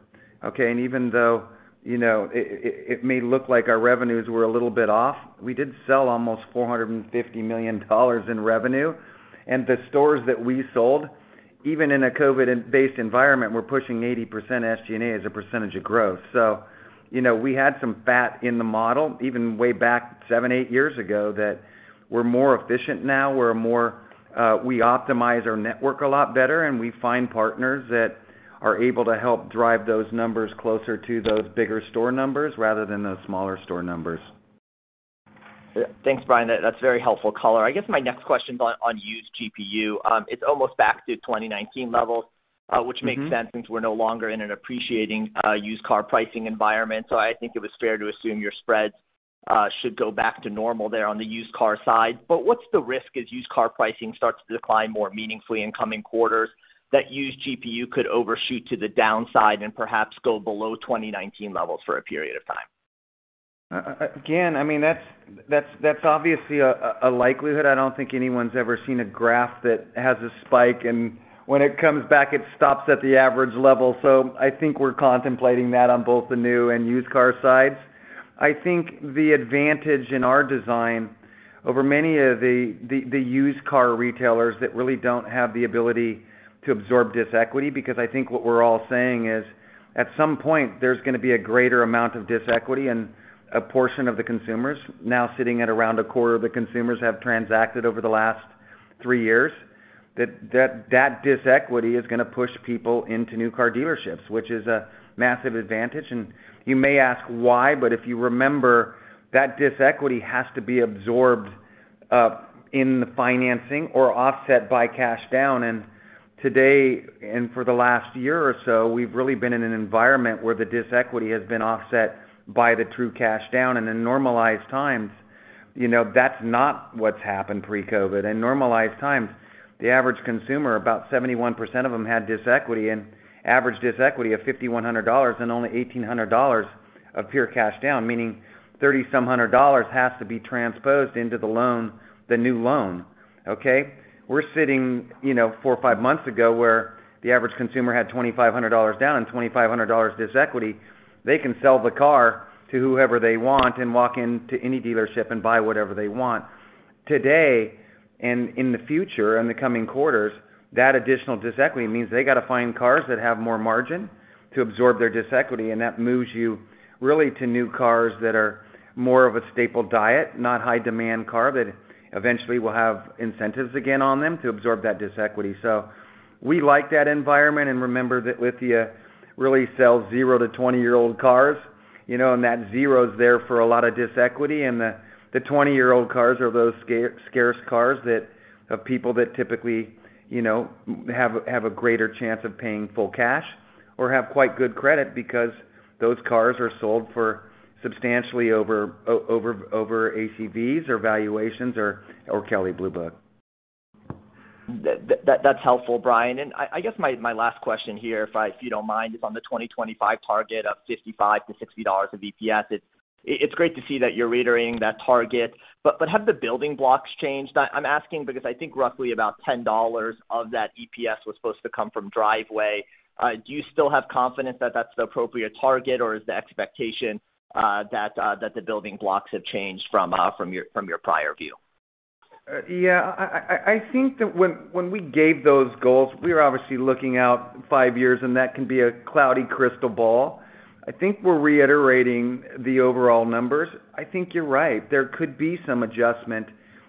okay? Even though, you know, it may look like our revenues were a little bit off, we did sell almost $450 million in revenue. The stores that we sold, even in a COVID environment, were pushing 80% SG&A as a percentage of gross. You know, we had some fat in the model, even way back seven, eight years ago, that we're more efficient now. We optimize our network a lot better, and we find partners that are able to help drive those numbers closer to those bigger store numbers rather than those smaller store numbers. Thanks, Bryan. That's a very helpful color. I guess my next question's on used GPU. It's almost back to 2019 levels. Mm-hmm which makes sense since we're no longer in an appreciating, used car pricing environment. I think it was fair to assume your spreads should go back to normal there on the used car side. What's the risk as used car pricing starts to decline more meaningfully in coming quarters that used GPU could overshoot to the downside and perhaps go below 2019 levels for a period of time? Again, I mean that's obviously a likelihood. I don't think anyone's ever seen a graph that has a spike, and when it comes back, it stops at the average level. I think we're contemplating that on both the new and used car sides. I think the advantage in our design over many of the used car retailers that really don't have the ability to absorb this equity, because I think what we're all saying is, at some point, there's gonna be a greater amount of this equity and a portion of the consumers, now sitting at around a quarter of the consumers have transacted over the last three years, that this equity is gonna push people into new car dealerships, which is a massive advantage. You may ask why, but if you remember, that this equity has to be absorbed in the financing or offset by cash down. Today, and for the last year or so, we've really been in an environment where this equity has been offset by the true cash down. In normalized times, you know, that's not what's happened pre-COVID. In normalized times, the average consumer, about 71% of them had this equity and average this equity of $5,100 and only $1,800 of pure cash down, meaning $3,300 has to be transposed into the loan, the new loan, okay? We're sitting, you know, four or five months ago, where the average consumer had $2,500 down and $2,500 this equity. They can sell the car to whoever they want and walk into any dealership and buy whatever they want. Today, and in the future, in the coming quarters, that additional negative equity means they gotta find cars that have more margin to absorb their negative equity, and that moves you really to new cars that are more of a staple diet, not high demand car that eventually will have incentives again on them to absorb that negative equity. We like that environment, and remember that Lithia really sells 0-20 year-old cars, you know, and that zero is there for a lot of this equity, and the 20-year-old cars are those scarce cars that have people that typically, you know, have a greater chance of paying full cash or have quite good credit because those cars are sold for substantially over ACVs or valuations or Kelley Blue Book. That's helpful, Bryan. I guess my last question here, if you don't mind, is on the 2025 target of $55-$60 of EPS. It's great to see that you're reiterating that target, but have the building blocks changed? I'm asking because I think roughly about $10 of that EPS was supposed to come from Driveway. Do you still have confidence that that's the appropriate target, or is the expectation that the building blocks have changed from your prior view? Yeah. I think that when we gave those goals, we were obviously looking out five years, and that can be a cloudy crystal ball. I think we're reiterating the overall numbers. I think you're right. There could be some adjustment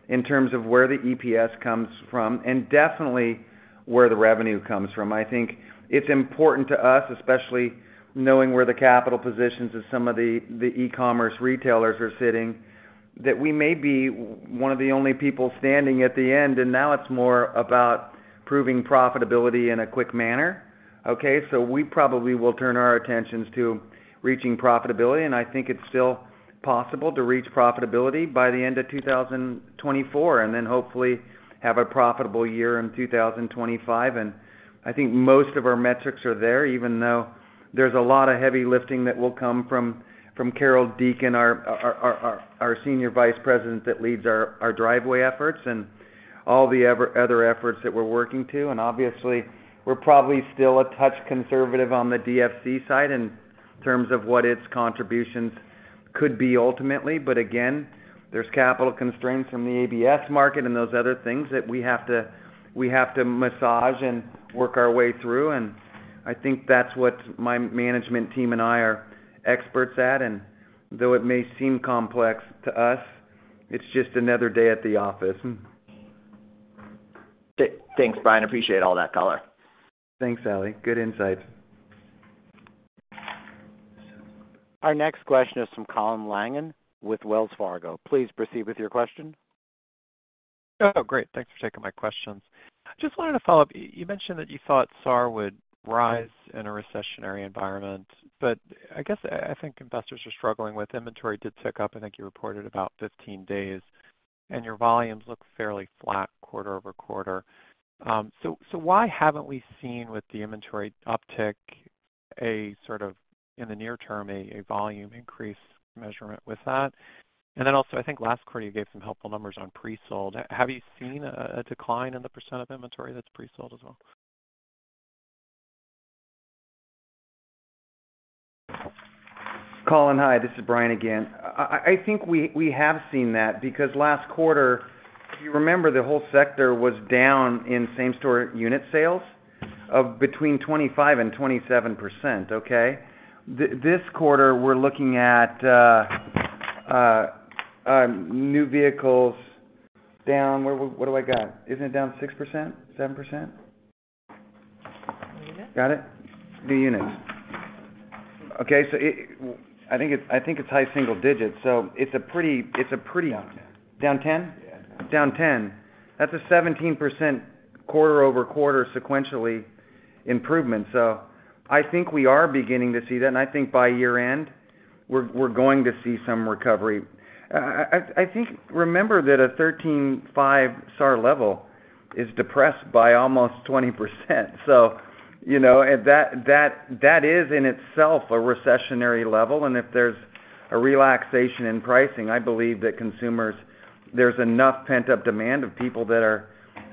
in terms of where the EPS comes from and definitely where the revenue comes from. I think it's important to us, especially knowing where the capital positions of some of the e-commerce retailers are sitting, that we may be one of the only people standing at the end, and now it's more about proving profitability in a quick manner, okay? We probably will turn our attentions to reaching profitability, and I think it's still possible to reach profitability by the end of 2024, and then hopefully have a profitable year in 2025. I think most of our metrics are there, even though there's a lot of heavy lifting that will come from Carol Deacon, our Senior Vice President that leads our Driveway efforts and all the other efforts that we're working to. Obviously, we're probably still a touch conservative on the DFC side in terms of what its contributions could be ultimately, but again, there's capital constraints from the ABS market and those other things that we have to massage and work our way through. I think that's what my management team and I are experts at. Though it may seem complex to us, it's just another day at the office. Thanks, Bryan. Appreciate all that color. Thanks, Ali Faghri. Good insights. Our next question is from Colin Langan with Wells Fargo. Please proceed with your question. Oh, great. Thanks for taking my questions. Just wanted to follow up. You mentioned that you thought SAAR would rise in a recessionary environment, but I guess I think investors are struggling with inventory did tick up. I think you reported about 15 days, and your volumes look fairly flat quarter-over-quarter. So why haven't we seen with the inventory uptick a sort of, in the near term, a volume increase measurement with that? And then also, I think last quarter you gave some helpful numbers on pre-sold. Have you seen a decline in the percent of inventory that's pre-sold as well? Colin, hi. This is Bryan again. I think we have seen that because last quarter, if you remember, the whole sector was down in same-store unit sales of between 25%-27%, okay? This quarter, we're looking at new vehicles down. What do I got? Isn't it down 6%? 7%? New units. Got it. New units. Okay. I think it's high single digits, so it's a pretty. Down 10. Down 10? Yeah. Down 10%. That's a 17% quarter-over-quarter sequentially improvement. I think we are beginning to see that, and I think by year-end, we're going to see some recovery. I think remember that a 13.5 SAAR level is depressed by almost 20%. You know, that is in itself a recessionary level. If there's a relaxation in pricing, I believe that consumers, there's enough pent-up demand of people that are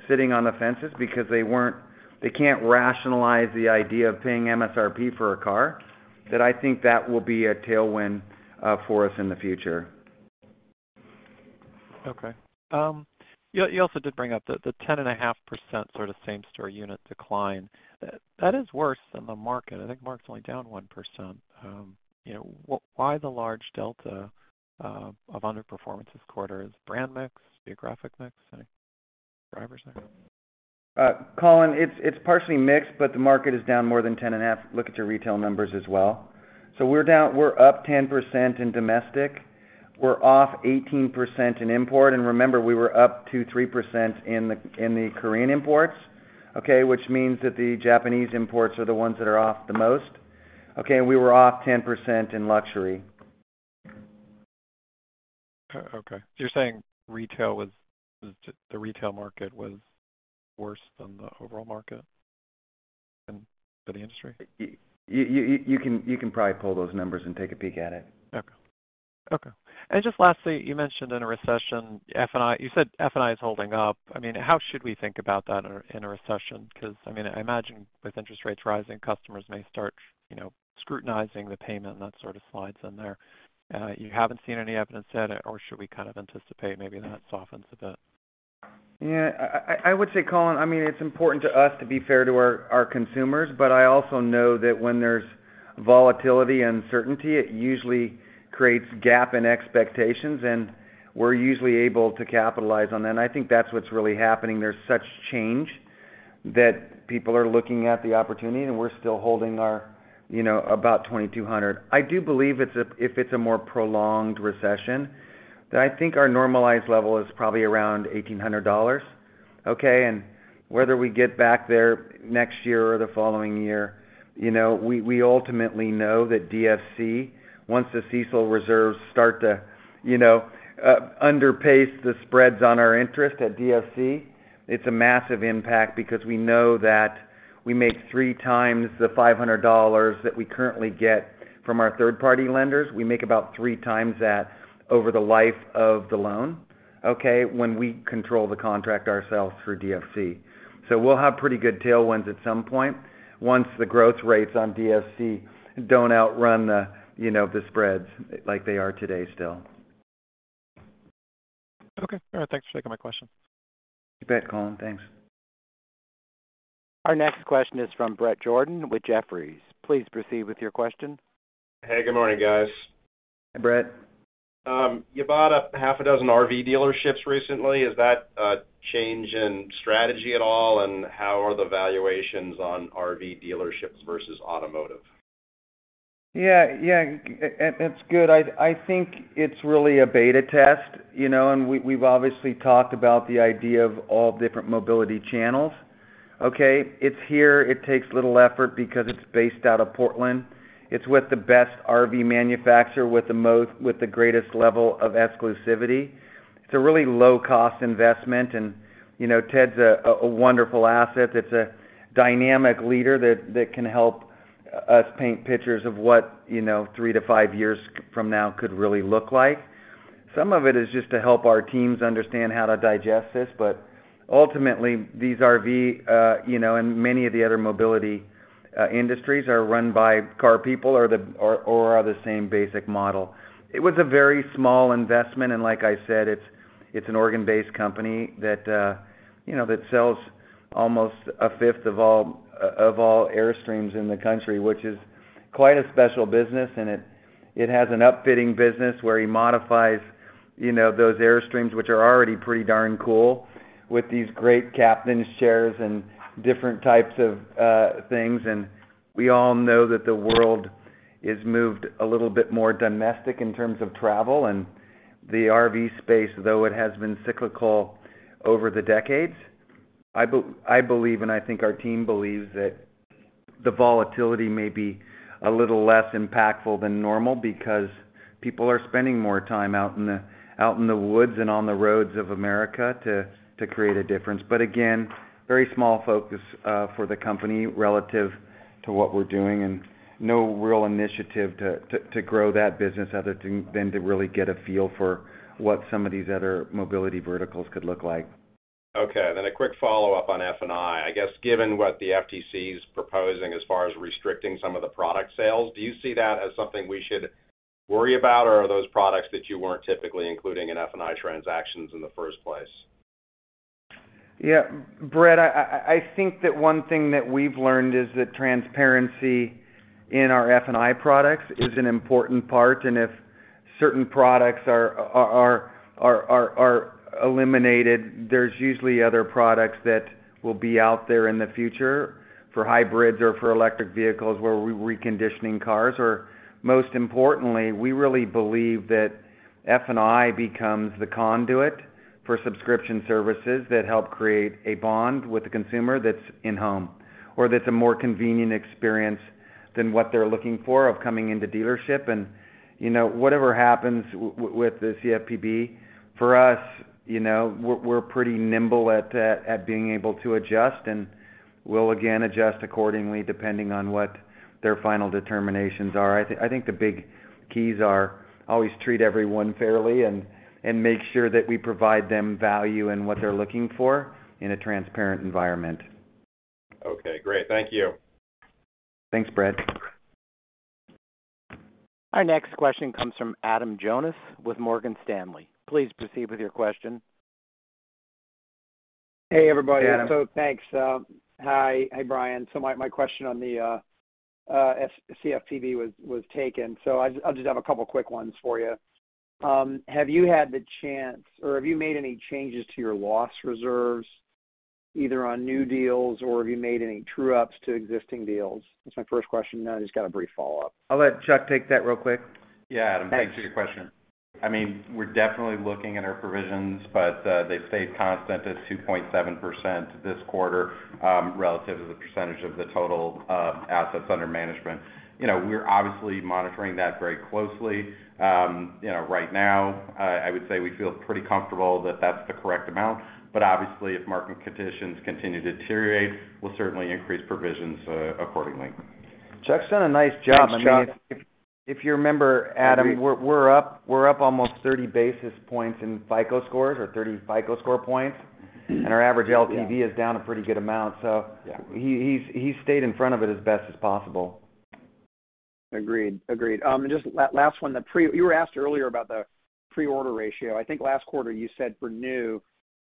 sitting on the fences because they can't rationalize the idea of paying MSRP for a car, that I think that will be a tailwind for us in the future. Okay. You also did bring up the 10.5% sort of same-store unit decline. That is worse than the market. I think market's only down 1%. You know, why the large delta of underperformance this quarter? Is it brand mix, geographic mix, I think, drivers mix? Colin, it's partially mixed, but the market is down more than 10.5%. Look at your retail numbers as well. We're up 10% in domestic. We're off 18% in import. Remember, we were up 3% in the Korean imports, okay, which means that the Japanese imports are the ones that are off the most. Okay, and we were off 10% in luxury. You're saying the retail market was worse than the overall market and for the industry? You can probably pull those numbers and take a peek at it. Okay. Okay. Just lastly, you mentioned in a recession, F&I, you said F&I is holding up. I mean, how should we think about that in a recession? Because, I mean, I imagine with interest rates rising, customers may start, you know, scrutinizing the payment and that sort of slides in there. You haven't seen any evidence yet, or should we kind of anticipate maybe that softens a bit? Yeah. I would say, Colin, I mean, it's important to us to be fair to our consumers, but I also know that when there's volatility and uncertainty, it usually creates gap in expectations, and we're usually able to capitalize on that. I think that's what's really happening. There's such change that people are looking at the opportunity, and we're still holding our, you know, about 2,200. I do believe it's if it's a more prolonged recession, then I think our normalized level is probably around $1,800, okay? Whether we get back there next year or the following year, you know, we ultimately know that DFC, once the CECL reserves start to, you know, underpace the spreads on our interest at DFC, it's a massive impact because we know that we make three times the $500 that we currently get from our third-party lenders. We make about three times that over the life of the loan, okay, when we control the contract ourselves through DFC. We'll have pretty good tailwinds at some point once the growth rates on DFC don't outrun the, you know, the spreads like they are today still. Okay. All right. Thanks for taking my question. You bet, Colin. Thanks. Our next question is from Bret Jordan with Jefferies. Please proceed with your question. Hey, good morning, guys. Hi, Bret. You bought 6 RV dealerships recently. Is that a change in strategy at all, and how are the valuations on RV dealerships versus automotive? Yeah. It's good. I think it's really a beta test, you know, and we've obviously talked about the idea of all different mobility channels, okay? It's here, it takes little effort because it's based out of Portland. It's with the best RV manufacturer with the greatest level of exclusivity. It's a really low cost investment and, you know, Ted's a wonderful asset. It's a dynamic leader that can help us paint pictures of what, you know, three to five years from now could really look like. Some of it is just to help our teams understand how to digest this. Ultimately, these RV, you know, and many of the other mobility industries are run by car people or are the same basic model. It was a very small investment, and like I said, it's an Oregon-based company that you know that sells almost a fifth of all Airstreams in the country, which is quite a special business. It has an upfitting business where he modifies you know those Airstreams, which are already pretty darn cool with these great captain's chairs and different types of things. We all know that the world has moved a little bit more domestic in terms of travel and the RV space, though it has been cyclical over the decades. I believe, and I think our team believes, that the volatility may be a little less impactful than normal because people are spending more time out in the woods and on the roads of America to create a difference. Again, very small focus for the company relative to what we're doing, and no real initiative to grow that business other than to really get a feel for what some of these other mobility verticals could look like. Okay. A quick follow-up on F&I. I guess, given what the FTC's proposing as far as restricting some of the product sales, do you see that as something we should worry about? Or are those products that you weren't typically including in F&I transactions in the first place? Yeah, Bret, I think that one thing that we've learned is that transparency in our F&I products is an important part. If certain products are eliminated, there's usually other products that will be out there in the future for hybrids or for electric vehicles where we're reconditioning cars. Most importantly, we really believe that F&I becomes the conduit for subscription services that help create a bond with the consumer that's in home or that's a more convenient experience than what they're looking for of coming into dealership. You know, whatever happens with the CFPB, for us, you know, we're pretty nimble at being able to adjust, and we'll again adjust accordingly, depending on what their final determinations are. I think the big keys are always treat everyone fairly and make sure that we provide them value in what they're looking for in a transparent environment. Okay, great. Thank you. Thanks, Bret. Our next question comes from Adam Jonas with Morgan Stanley. Please proceed with your question. Hey, everybody. Adam. Thanks. Hi. Hey, Bryan. My question on the CFPB was taken. I just have a couple quick ones for you. Have you had the chance or have you made any changes to your loss reserves, either on new deals, or have you made any true-ups to existing deals? That's my first question. I just got a brief follow-up. I'll let Chuck take that real quick. Yeah. Thanks. Adam, thanks for your question. I mean, we're definitely looking at our provisions, but they've stayed constant at 2.7% this quarter, relative to the percentage of the total assets under management. You know, we're obviously monitoring that very closely. You know, right now, I would say we feel pretty comfortable that that's the correct amount. Obviously, if market conditions continue to deteriorate, we'll certainly increase provisions accordingly. Chuck's done a nice job. Thanks, Chuck. I mean, if you remember, Adam. Agreed We're up almost 30 basis points in FICO scores or 30 FICO score points. Mm-hmm. Yeah. Our average LTV is down a pretty good amount. Yeah He's stayed in front of it as best as possible. Agreed. Just last one. You were asked earlier about the pre-order ratio. I think last quarter you said for new,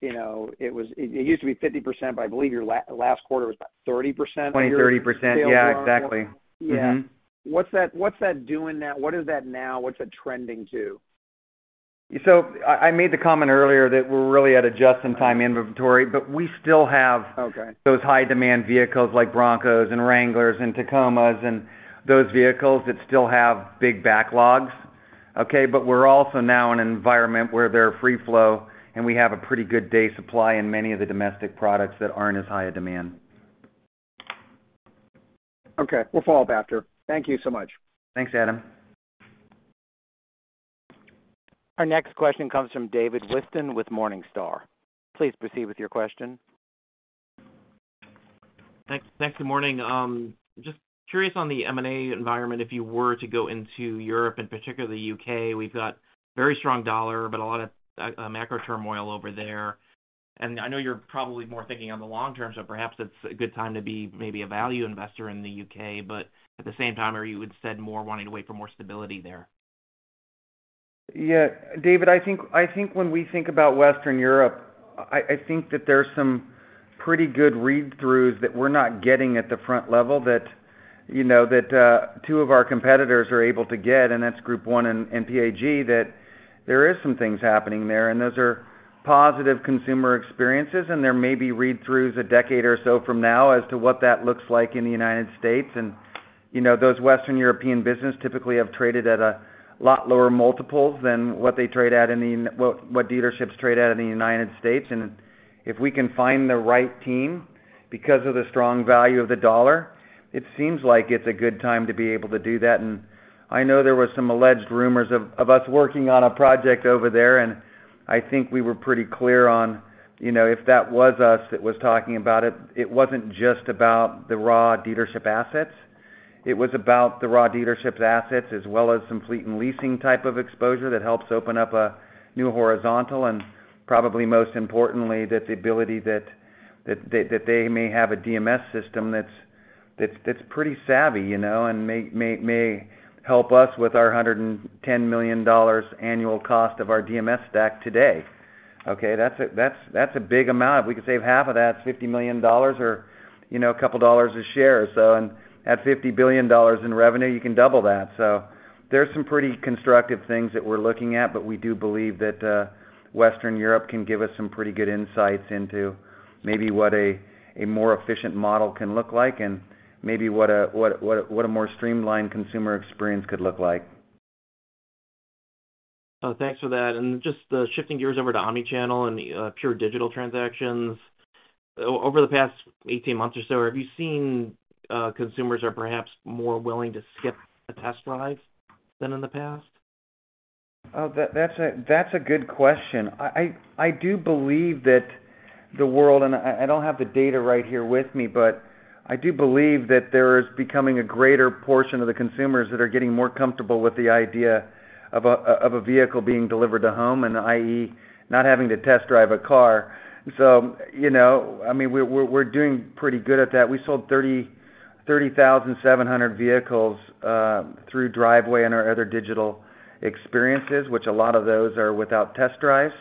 you know, it used to be 50%, but I believe your last quarter was about 30% of your- 20%-30% sales were. Yeah, exactly. Mm-hmm. Yeah. What's that doing now? What is that now? What's that trending to? I made the comment earlier that we're really at just-in-time inventory, but we still have Okay Those high demand vehicles like Broncos and Wranglers and Tacomas and those vehicles that still have big backlogs. Okay, but we're also now in an environment where they're free flow, and we have a pretty good day supply in many of the domestic products that aren't as high in demand. Okay. We'll follow up after. Thank you so much. Thanks, Adam. Our next question comes from David Whiston with Morningstar. Please proceed with your question. Thanks. Thanks, good morning. Just curious on the M&A environment, if you were to go into Europe, and particularly the U.K., we've got very strong dollar, but a lot of macro turmoil over there. I know you're probably more thinking on the long term, so perhaps it's a good time to be maybe a value investor in the U.K. At the same time, are you instead more wanting to wait for more stability there? Yeah. David, I think when we think about Western Europe, I think that there's some pretty good read-throughs that we're not getting at the front level that, you know, two of our competitors are able to get, and that's Group 1 Automotive and PAG, that there is some things happening there, and those are positive consumer experiences, and there may be read-throughs a decade or so from now as to what that looks like in the United States. You know, those Western European business typically have traded at a lot lower multiples than what they trade at in the what dealerships trade at in the United States. If we can find the right team because of the strong value of the dollar, it seems like it's a good time to be able to do that. I know there was some alleged rumors of us working on a project over there, and I think we were pretty clear on, you know, if that was us that was talking about it wasn't just about the raw dealership assets. It was about the raw dealership assets as well as some fleet and leasing type of exposure that helps open up a new horizontal and probably most importantly, that the ability that they may have a DMS system that's pretty savvy, you know, and may help us with our $110 million annual cost of our DMS stack today. Okay. That's a big amount. If we could save half of that, it's $50 million or, you know, a couple of dollars a share. At $50 billion in revenue, you can double that. There's some pretty constructive things that we're looking at, but we do believe that Western Europe can give us some pretty good insights into maybe what a more efficient model can look like and maybe what a more streamlined consumer experience could look like. Oh, thanks for that. Just shifting gears over to omni-channel and the pure digital transactions, over the past 18 months or so, have you seen consumers are perhaps more willing to skip a test drive than in the past? That's a good question. I do believe that the world. I don't have the data right here with me, but I do believe that there is becoming a greater portion of the consumers that are getting more comfortable with the idea of a vehicle being delivered to home and i.e., not having to test drive a car. You know, I mean, we're doing pretty good at that. We sold 30,700 vehicles through Driveway and our other digital experiences, which a lot of those are without test drives.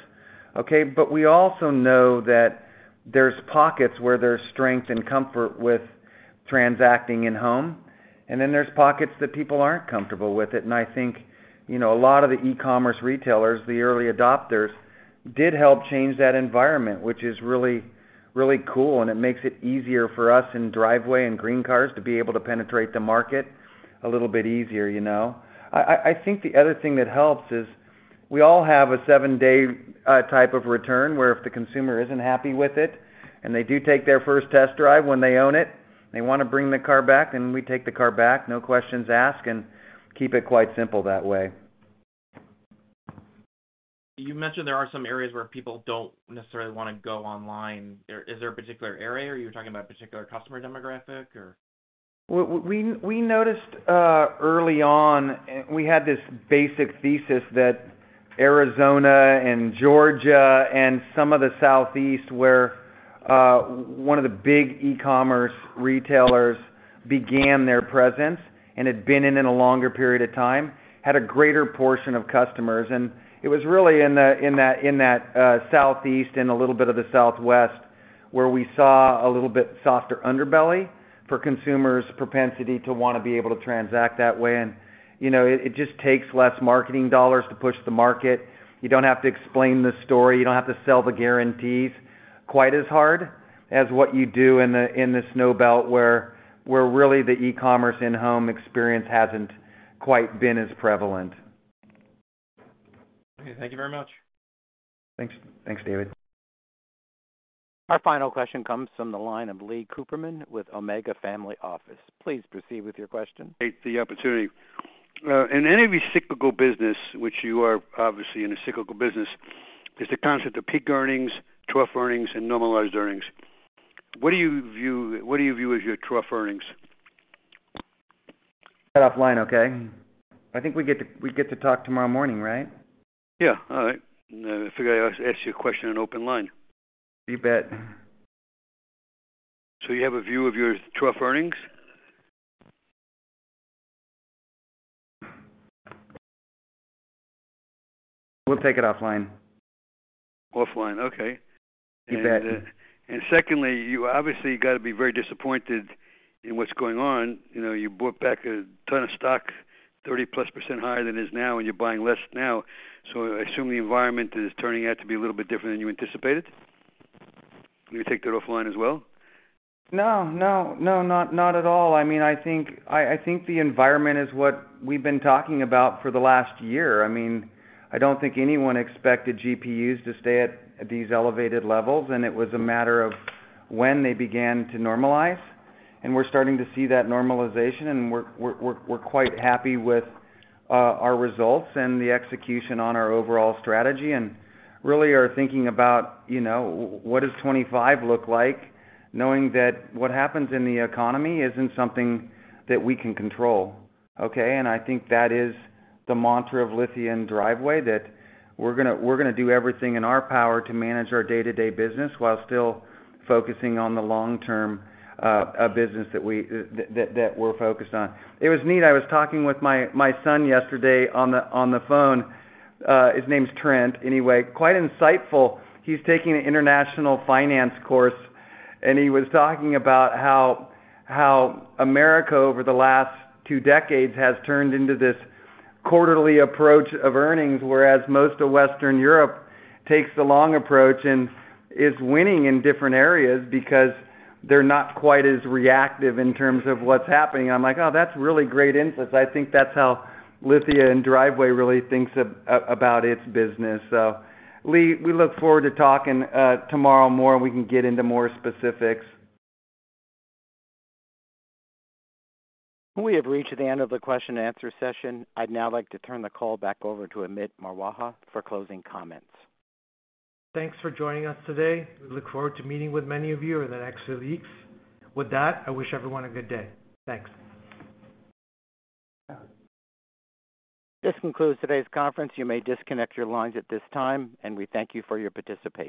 Okay. But we also know that there's pockets where there's strength and comfort with transacting in home, and then there's pockets that people aren't comfortable with it. I think, you know, a lot of the e-commerce retailers, the early adopters, did help change that environment, which is really, really cool, and it makes it easier for us in Driveway and GreenCars to be able to penetrate the market a little bit easier, you know. I think the other thing that helps is we all have a seven-day type of return where if the consumer isn't happy with it and they do take their first test drive when they own it, they wanna bring the car back, and we take the car back, no questions asked, and keep it quite simple that way. You mentioned there are some areas where people don't necessarily wanna go online. Is there a particular area or you're talking about a particular customer demographic or? We noticed early on we had this basic thesis that Arizona and Georgia and some of the Southeast, where one of the big e-commerce retailers began their presence and had been in a longer period of time, had a greater portion of customers. It was really in that Southeast and a little bit of the Southwest, where we saw a little bit softer underbelly for consumers' propensity to wanna be able to transact that way. It just takes less marketing dollars to push the market. You don't have to explain the story. You don't have to sell the guarantees quite as hard as what you do in the Snowbelt where really the e-commerce in-home experience hasn't quite been as prevalent. Okay. Thank you very much. Thanks. Thanks, David. Our final question comes from the line of Leon Cooperman with Omega Family Office. Please proceed with your question. The opportunity. In any cyclical business, which you are obviously in a cyclical business, is the concept of peak earnings, trough earnings, and normalized earnings. What do you view as your trough earnings? Off-line, okay. I think we get to talk tomorrow morning, right? Yeah. All right. I figured I'd ask you a question in open line. You bet. You have a view of your trough earnings? We'll take it offline. Offline, okay. You bet. Secondly, you obviously got to be very disappointed in what's going on. You know, you bought back a ton of stock 30%+ higher than it is now and you're buying less now. I assume the environment is turning out to be a little bit different than you anticipated? You take that offline as well. No. Not at all. I mean, I think the environment is what we've been talking about for the last year. I mean, I don't think anyone expected GPUs to stay at these elevated levels, and it was a matter of when they began to normalize. We're starting to see that normalization, and we're quite happy with our results and the execution on our overall strategy and really are thinking about, you know, what does 25 look like, knowing that what happens in the economy isn't something that we can control. Okay. I think that is the mantra of Lithia & Driveway, that we're gonna do everything in our power to manage our day-to-day business while still focusing on the long-term business that we're focused on. It was neat. I was talking with my son yesterday on the phone. His name's Trent. Anyway, quite insightful. He's taking an international finance course, and he was talking about how America, over the last two decades, has turned into this quarterly approach of earnings, whereas most of Western Europe takes the long approach and is winning in different areas because they're not quite as reactive in terms of what's happening. I'm like, "Oh, that's really great insight." I think that's how Lithia & Driveway really thinks about its business. Lee, we look forward to talking tomorrow more, and we can get into more specifics. We have reached the end of the question and answer session. I'd now like to turn the call back over to Amit Marwaha for closing comments. Thanks for joining us today. We look forward to meeting with many of you in the next few weeks. With that, I wish everyone a good day. Thanks. This concludes today's conference. You may disconnect your lines at this time, and we thank you for your participation.